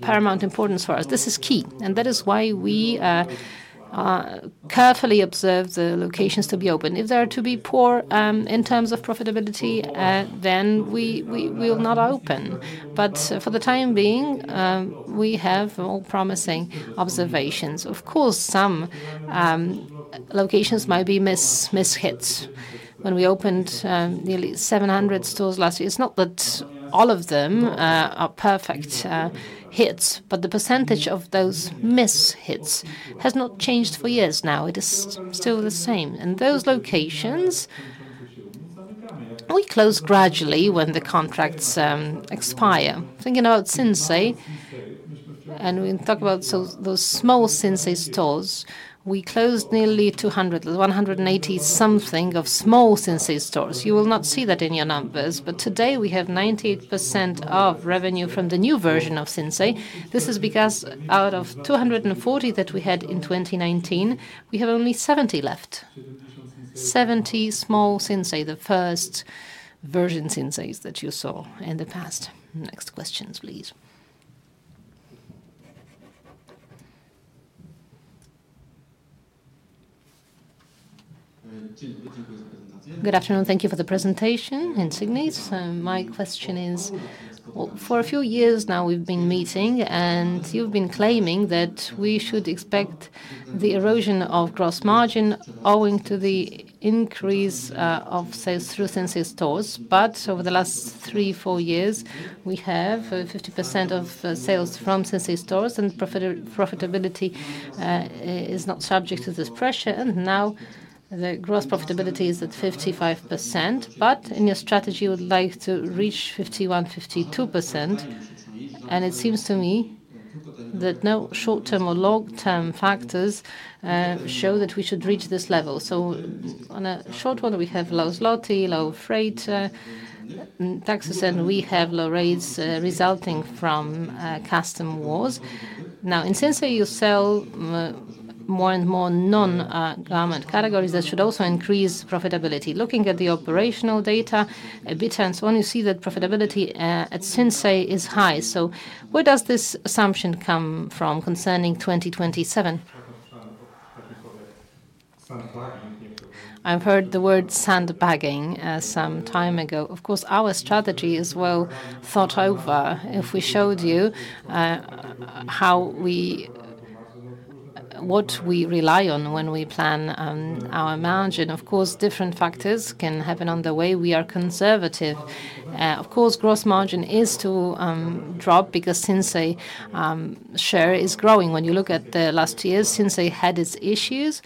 Speaker 4: paramount importance for us. This is key. That is why we carefully observe the locations to be open. If they are to be poor in terms of profitability, we will not open. For the time being, we have all promising observations. Of course, some locations might be mishits. When we opened nearly 700 stores last year, it is not that all of them are perfect hits, but the percentage of those mishits has not changed for years now. It is still the same. Those locations, we close gradually when the contracts expire. Thinking about Sinsay, and we talk about those small Sinsay stores, we closed nearly 200, 180 something of small Sinsay stores. You will not see that in your numbers, but today we have 98% of revenue from the new version of Sinsay. This is because out of 240 that we had in 2019, we have only 70 left. 70 small Sinsay, the first version Sinsay that you saw in the past.
Speaker 2: Next questions, please. Good afternoon. Thank you for the presentation, [Insignies]. My question is, for a few years now, we've been meeting, and you've been claiming that we should expect the erosion of gross margin owing to the increase of sales through Sinsay stores. Over the last three, four years, we have 50% of sales from Sinsay stores, and profitability is not subject to this pressure. Now the gross profitability is at 55%, but in your strategy, you would like to reach 51%-52%. It seems to me that no short-term or long-term factors show that we should reach this level. On a short one, we have low PLN, low freight taxes, and we have low rates resulting from customs wars. Now, in Sinsay, you sell more and more non-government categories that should also increase profitability. Looking at the operational data, a bit and so on, you see that profitability at Sinsay is high. Where does this assumption come from concerning 2027?
Speaker 4: I've heard the word sandbagging some time ago. Of course, our strategy is well thought over. If we showed you what we rely on when we plan our margin, of course, different factors can happen on the way. We are conservative. Of course, gross margin is to drop because Sinsay's share is growing. When you look at the last years, Sinsay had its issues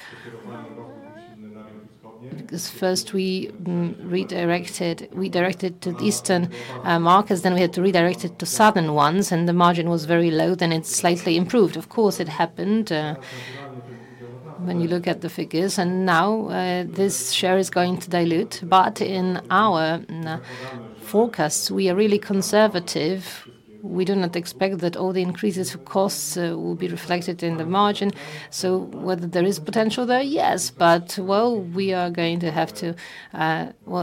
Speaker 4: because first we redirected to the eastern markets, then we had to redirect it to southern ones, and the margin was very low, then it slightly improved. It happened when you look at the figures. This share is going to dilute, but in our forecasts, we are really conservative. We do not expect that all the increases of costs will be reflected in the margin. Whether there is potential there, yes, but we are going to have to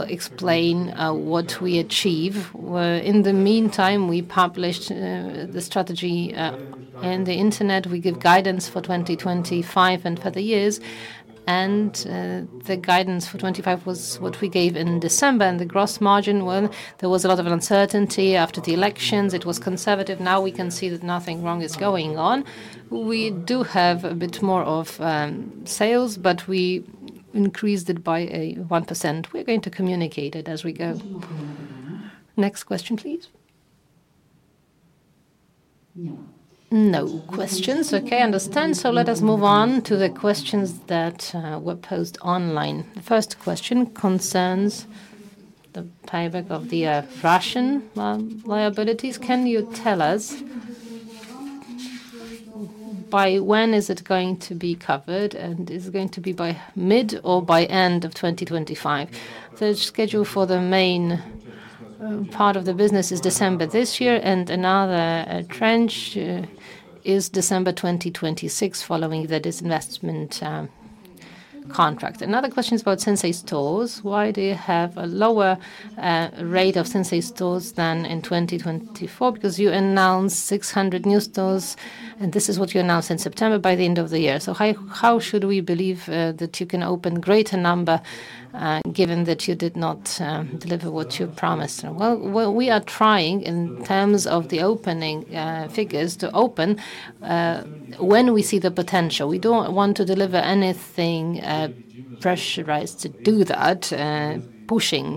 Speaker 4: explain what we achieve. In the meantime, we published the strategy on the internet. We give guidance for 2025 and for the years. The guidance for 2025 was what we gave in December. The gross margin, there was a lot of uncertainty after the elections. It was conservative. Now we can see that nothing wrong is going on. We do have a bit more of sales, but we increased it by 1%. We are going to communicate it as we go.
Speaker 2: Next question, please. No questions. Okay, understand. Let us move on to the questions that were posed online. The first question concerns the payback of the fraction liabilities. Can you tell us by when is it going to be covered? Is it going to be by mid or by end of 2025?
Speaker 4: The schedule for the main part of the business is December this year, and another tranche is December 2026 following that investment contract.
Speaker 2: Another question is about Sinsay stores. Why do you have a lower rate of Sinsay stores than in 2024? Because you announced 600 new stores, and this is what you announced in September by the end of the year. How should we believe that you can open a greater number given that you did not deliver what you promised?
Speaker 4: We are trying in terms of the opening figures to open when we see the potential. We do not want to deliver anything pressurized to do that, pushing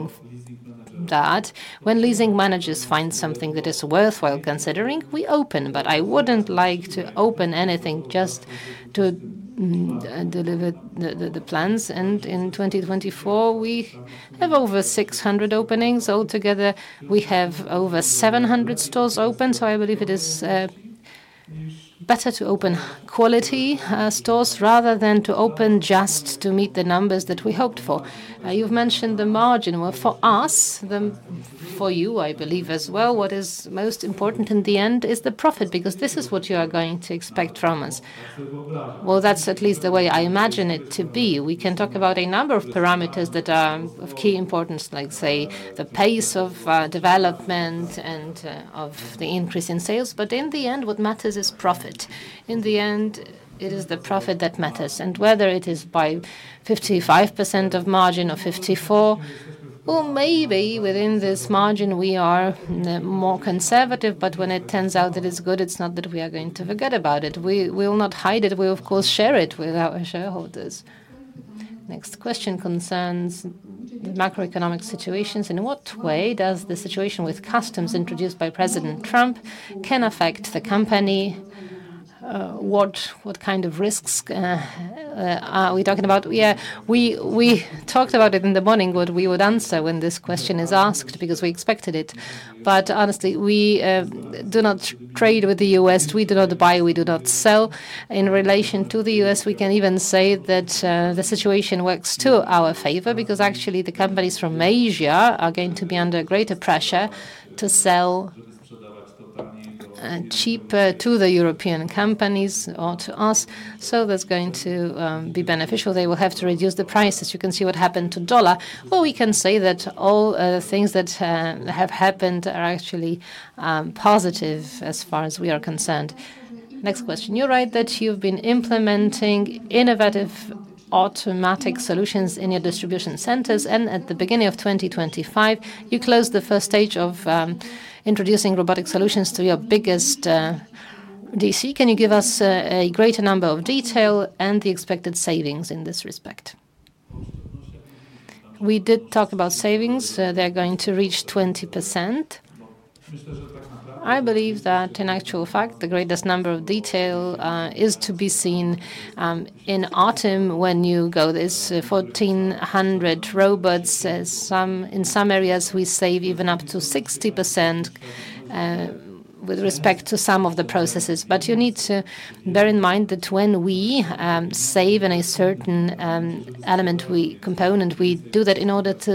Speaker 4: that. When leasing managers find something that is worthwhile considering, we open. I would not like to open anything just to deliver the plans. In 2024, we have over 600 openings. Altogether, we have over 700 stores open. I believe it is better to open quality stores rather than to open just to meet the numbers that we hoped for. You have mentioned the margin. For us, for you, I believe as well, what is most important in the end is the profit because this is what you are going to expect from us. That is at least the way I imagine it to be. We can talk about a number of parameters that are of key importance, like the pace of development and of the increase in sales. In the end, what matters is profit. In the end, it is the profit that matters. Whether it is by 55% of margin or 54%, maybe within this margin, we are more conservative. When it turns out that it's good, it's not that we are going to forget about it. We will not hide it. We, of course, share it with our shareholders.
Speaker 2: The next question concerns the macroeconomic situation. In what way does the situation with customs introduced by President Trump affect the company? What kind of risks are we talking about?
Speaker 4: Yeah, we talked about it in the morning, what we would answer when this question is asked because we expected it. Honestly, we do not trade with the U.S. We do not buy. We do not sell. In relation to the U.S., we can even say that the situation works to our favor because actually the companies from Asia are going to be under greater pressure to sell cheaper to the European companies or to us. That is going to be beneficial. They will have to reduce the prices. You can see what happened to the dollar. I mean, we can say that all things that have happened are actually positive as far as we are concerned.
Speaker 2: Next question. You write that you've been implementing innovative automatic solutions in your distribution centers. At the beginning of 2025, you closed the first stage of introducing robotic solutions to your biggest DC. Can you give us a greater number of detail and the expected savings in this respect?
Speaker 4: We did talk about savings. They're going to reach 20%. I believe that in actual fact, the greatest number of detail is to be seen in autumn when you go to this 1,400 robots. In some areas, we save even up to 60% with respect to some of the processes. You need to bear in mind that when we save in a certain element, component, we do that in order to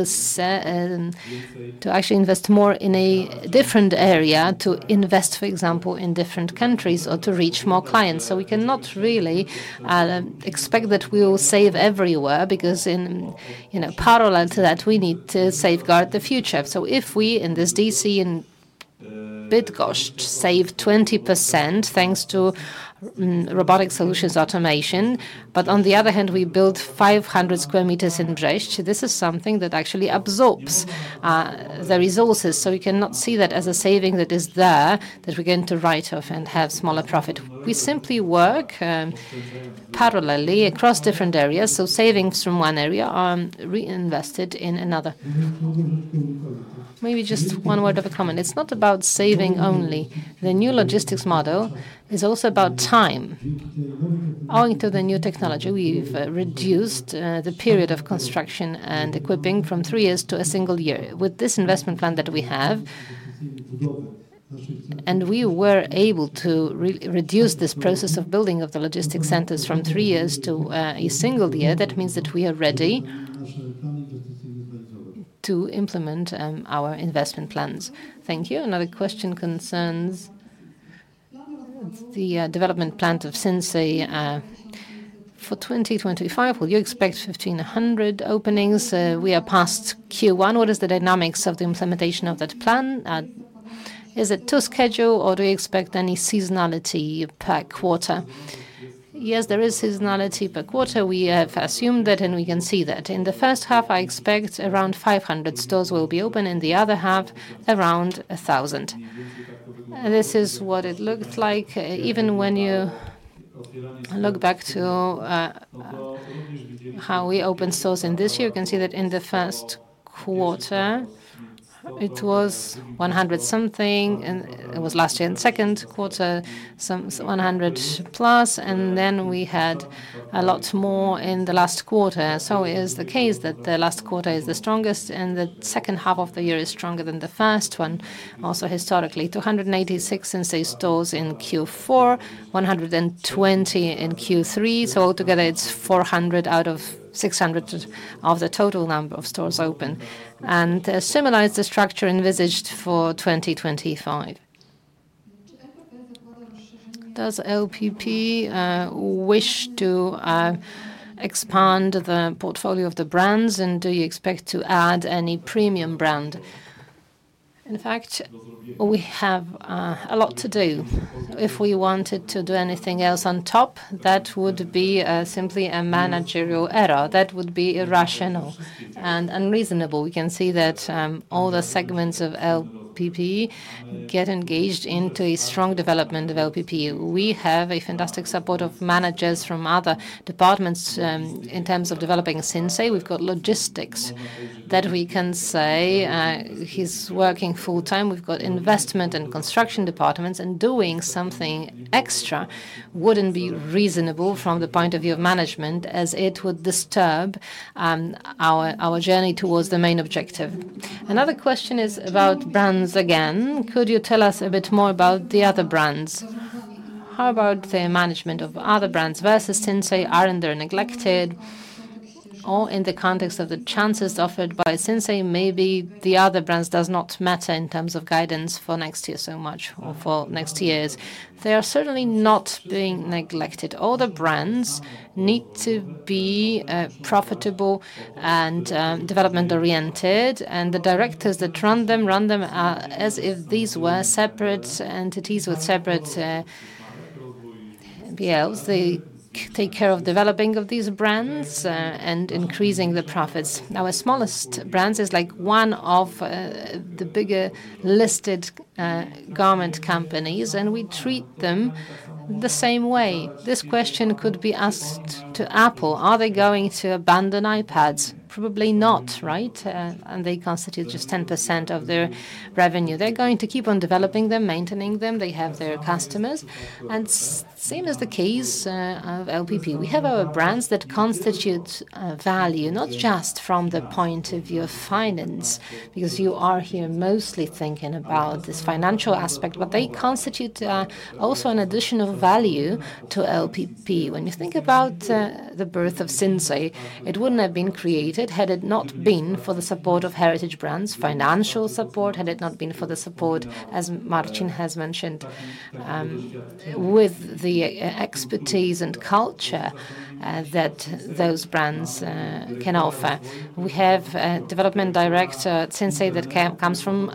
Speaker 4: actually invest more in a different area, to invest, for example, in different countries or to reach more clients. We cannot really expect that we will save everywhere because in parallel to that, we need to safeguard the future. If we in this DC in Bydgoszcz save 20% thanks to robotic solutions automation, but on the other hand, we build 500 sq m in Brześć, this is something that actually absorbs the resources. We cannot see that as a saving that is there that we're going to write off and have smaller profit. We simply work parallelly across different areas. Savings from one area are reinvested in another. Maybe just one word of a comment. It's not about saving only. The new logistics model is also about time. Owing to the new technology, we've reduced the period of construction and equipping from three years to a single year. With this investment plan that we have, and we were able to reduce this process of building of the logistics centers from three years to a single year, that means that we are ready to implement our investment plans.
Speaker 2: Thank you. Another question concerns the development plan of Sinsay for 2025. Will you expect 1,500 openings? We are past Q1. What is the dynamics of the implementation of that plan? Is it to schedule or do you expect any seasonality per quarter?
Speaker 4: Yes, there is seasonality per quarter. We have assumed that and we can see that. In the first half, I expect around 500 stores will be opened. In the other half, around 1,000. This is what it looks like. Even when you look back to how we opened stores in this year, you can see that in the first quarter, it was 100 something. It was last year in the second quarter, some 100+. We had a lot more in the last quarter. It is the case that the last quarter is the strongest and the second half of the year is stronger than the first one. Also historically, 286 Sinsay stores in Q4, 120 in Q3. Altogether, it is 400 out of 600 of the total number of stores open. To summarize the structure envisaged for 2025, does LPP wish to expand the portfolio of the brands? Do you expect to add any premium brand? In fact, we have a lot to do. If we wanted to do anything else on top, that would be simply a managerial error. That would be irrational and unreasonable. We can see that all the segments of LPP get engaged into a strong development of LPP. We have a fantastic support of managers from other departments in terms of developing Sinsay. We've got logistics that we can say is working full-time. We've got investment and construction departments, and doing something extra would not be reasonable from the point of view of management, as it would disturb our journey towards the main objective.
Speaker 2: Another question is about brands again. Could you tell us a bit more about the other brands? How about the management of other brands versus Sinsay? Are they neglected? Or in the context of the chances offered by Sinsay, maybe the other brands do not matter in terms of guidance for next year so much or for next years.
Speaker 4: They are certainly not being neglected. All the brands need to be profitable and development-oriented. The directors that run them, run them as if these were separate entities with separate P&Ls. They take care of developing these brands and increasing the profits. Our smallest brands is like one of the bigger listed garment companies, and we treat them the same way. This question could be asked to Apple. Are they going to abandon iPads? Probably not, right? They constitute just 10% of their revenue. They're going to keep on developing them, maintaining them. They have their customers. Same as the case of LPP. We have our brands that constitute value, not just from the point of view of finance, because you are here mostly thinking about this financial aspect, but they constitute also an additional value to LPP. When you think about the birth of Sinsay, it wouldn't have been created had it not been for the support of heritage brands, financial support had it not been for the support, as Marcin has mentioned, with the expertise and culture that those brands can offer. We have a development director at Sinsay that comes from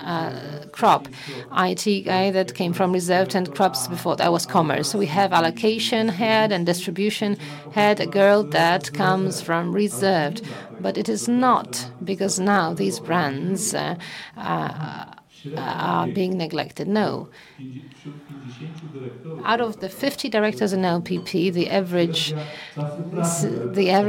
Speaker 4: Cropp, an IT guy that came from Reserved and Cropp before. That was commerce. We have allocation head and distribution head, a girl that comes from Reserved. It is not because now these brands are being neglected. No. Out of the 50 directors in LPP, the average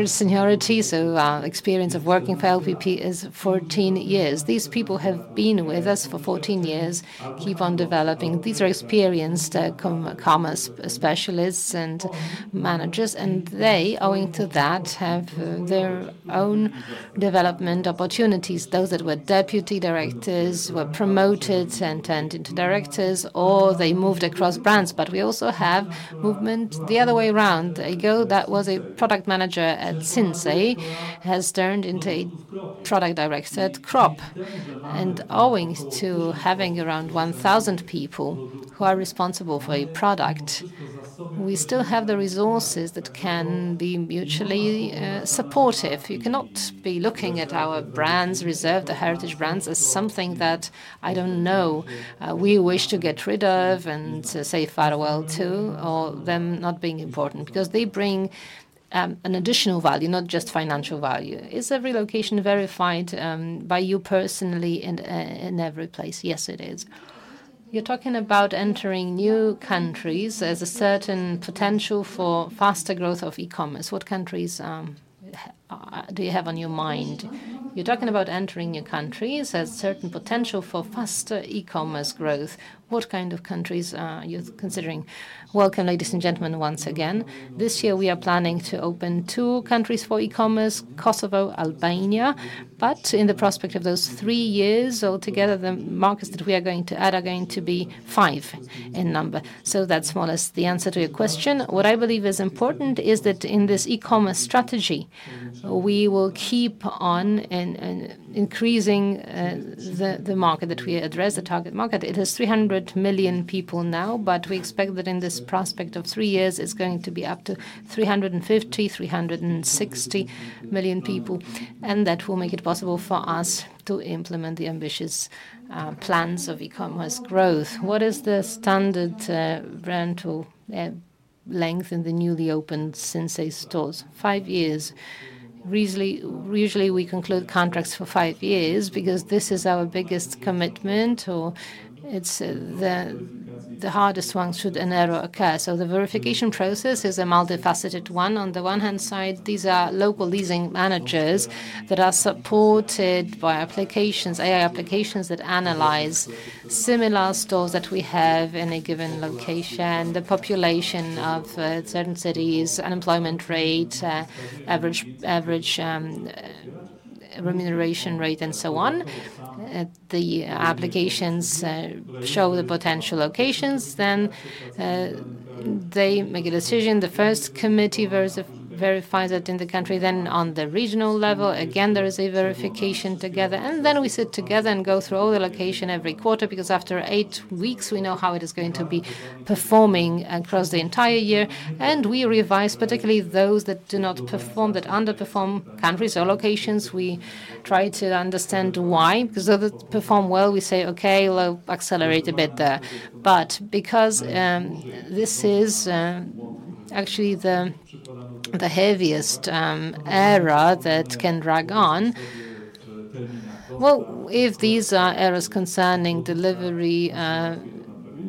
Speaker 4: seniority, so experience of working for LPP is 14 years. These people have been with us for 14 years, keep on developing. These are experienced commerce specialists and managers, and they, owing to that, have their own development opportunities. Those that were deputy directors were promoted and turned into directors, or they moved across brands. We also have movement the other way around. That was a product manager at Sinsay has turned into a product director at Cropp. Owing to having around 1,000 people who are responsible for a product, we still have the resources that can be mutually supportive. You cannot be looking at our brands, Reserved, the heritage brands, as something that I don't know we wish to get rid of and say farewell to, or them not being important because they bring an additional value, not just financial value.
Speaker 2: Is every location verified by you personally in every place? Yes, it is. You're talking about entering new countries as a certain potential for faster growth of e-commerce. What countries do you have on your mind? You're talking about entering new countries as a certain potential for faster e-commerce growth. What kind of countries are you considering?
Speaker 3: Welcome, ladies and gentlemen, once again. This year, we are planning to open two countries for e-commerce: Kosovo, Albania. In the prospect of those three years, altogether, the markets that we are going to add are going to be five in number. That is more or less the answer to your question. What I believe is important is that in this e-commerce strategy, we will keep on increasing the market that we address, the target market. It is 300 million people now, but we expect that in this prospect of three years, it's going to be up to 350, 360 million people. That will make it possible for us to implement the ambitious plans of e-commerce growth.
Speaker 2: What is the standard rental length in the newly opened Sinsay stores?
Speaker 4: Five years. Usually, we conclude contracts for five years because this is our biggest commitment, or it's the hardest one should an error occur. The verification process is a multifaceted one. On the one hand side, these are local leasing managers that are supported by applications, AI applications that analyze similar stores that we have in a given location, the population of certain cities, unemployment rate, average remuneration rate, and so on. The applications show the potential locations. They make a decision. The first committee verifies that in the country. On the regional level, again, there is a verification together. We sit together and go through all the location every quarter because after eight weeks, we know how it is going to be performing across the entire year. We revise particularly those that do not perform, that underperform countries or locations. We try to understand why. Those that perform well, we say, okay, we'll accelerate a bit there. This is actually the heaviest error that can drag on. If these are errors concerning delivery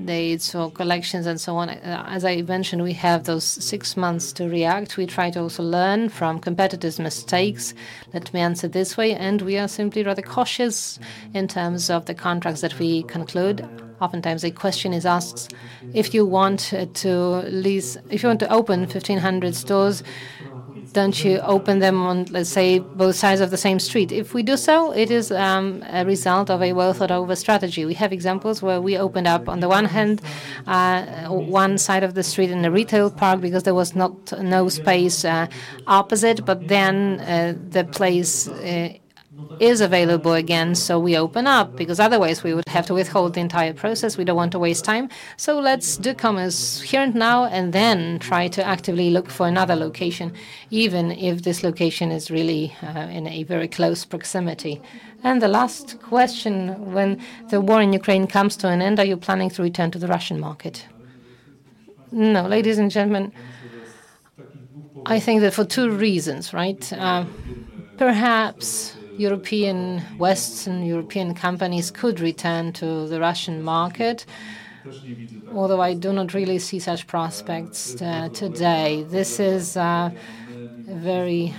Speaker 4: dates or collections and so on, as I mentioned, we have those six months to react. We try to also learn from competitors' mistakes. Let me answer this way. We are simply rather cautious in terms of the contracts that we conclude. Oftentimes, a question is asked, if you want to lease, if you want to open 1,500 stores, don't you open them on, let's say, both sides of the same street? If we do so, it is a result of a well-thought-over strategy. We have examples where we opened up on the one side of the street in a retail park because there was no space opposite. The place is available again. We open up because otherwise we would have to withhold the entire process. We don't want to waste time. Let's do commerce here and now and then try to actively look for another location, even if this location is really in a very close proximity.
Speaker 2: The last question, when the war in Ukraine comes to an end, are you planning to return to the Russian market?
Speaker 4: No, ladies and gentlemen, I think that for two reasons, right? Perhaps European West and European companies could return to the Russian market, although I do not really see such prospects today. This is a very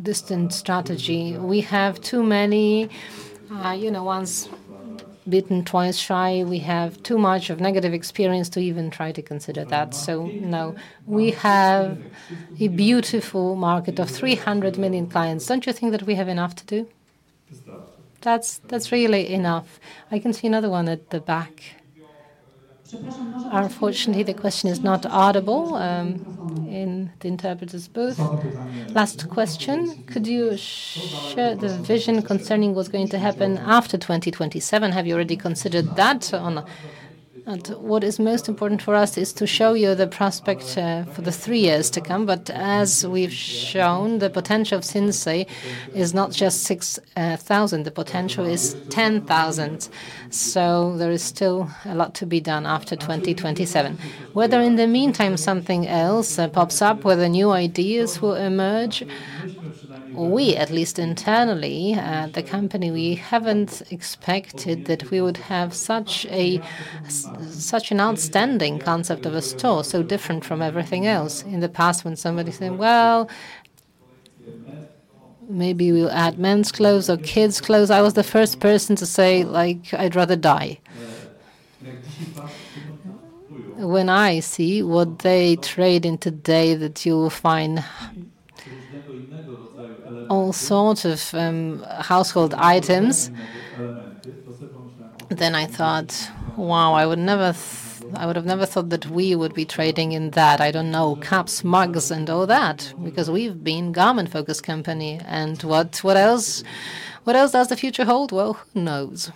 Speaker 4: distant strategy. We have too many once beaten, twice shy. We have too much of negative experience to even try to consider that. No, we have a beautiful market of 300 million clients.
Speaker 2: Do not you think that we have enough to do?
Speaker 4: That is really enough.
Speaker 2: I can see another one at the back. Unfortunately, the question is not audible in the interpreter's booth. Last question. Could you share the vision concerning what is going to happen after 2027? Have you already considered that? What is most important for us is to show you the prospect for the three years to come.
Speaker 4: As we have shown, the potential of Sinsay is not just 6,000. The potential is 10,000. There is still a lot to be done after 2027. Whether in the meantime something else pops up, whether new ideas will emerge, or we, at least internally, the company, we have not expected that we would have such an outstanding concept of a store, so different from everything else. In the past, when somebody said, maybe we will add men's clothes or kids' clothes, I was the first person to say, like, I'd rather die. When I see what they trade in today, that you will find all sorts of household items, then I thought, wow, I would have never thought that we would be trading in that. I do not know, caps, mugs, and all that, because we have been a garment-focused company. What else does the future hold? Who knows?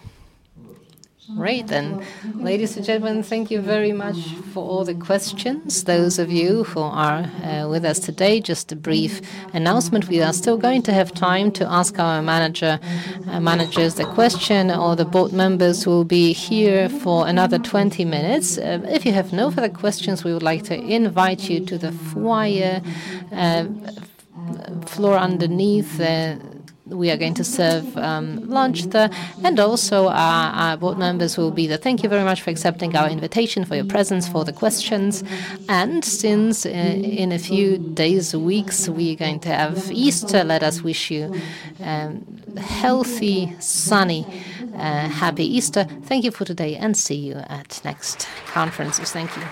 Speaker 2: Right then, ladies and gentlemen, thank you very much for all the questions. Those of you who are with us today, just a brief announcement. We are still going to have time to ask our managers the question, or the board members will be here for another 20 minutes. If you have no further questions, we would like to invite you to the foyer floor underneath. We are going to serve lunch there. Also, our board members will be there. Thank you very much for accepting our invitation, for your presence, for the questions. Since in a few days, weeks, we are going to have Easter, let us wish you a healthy, sunny, happy Easter. Thank you for today and see you at next conferences. Thank you.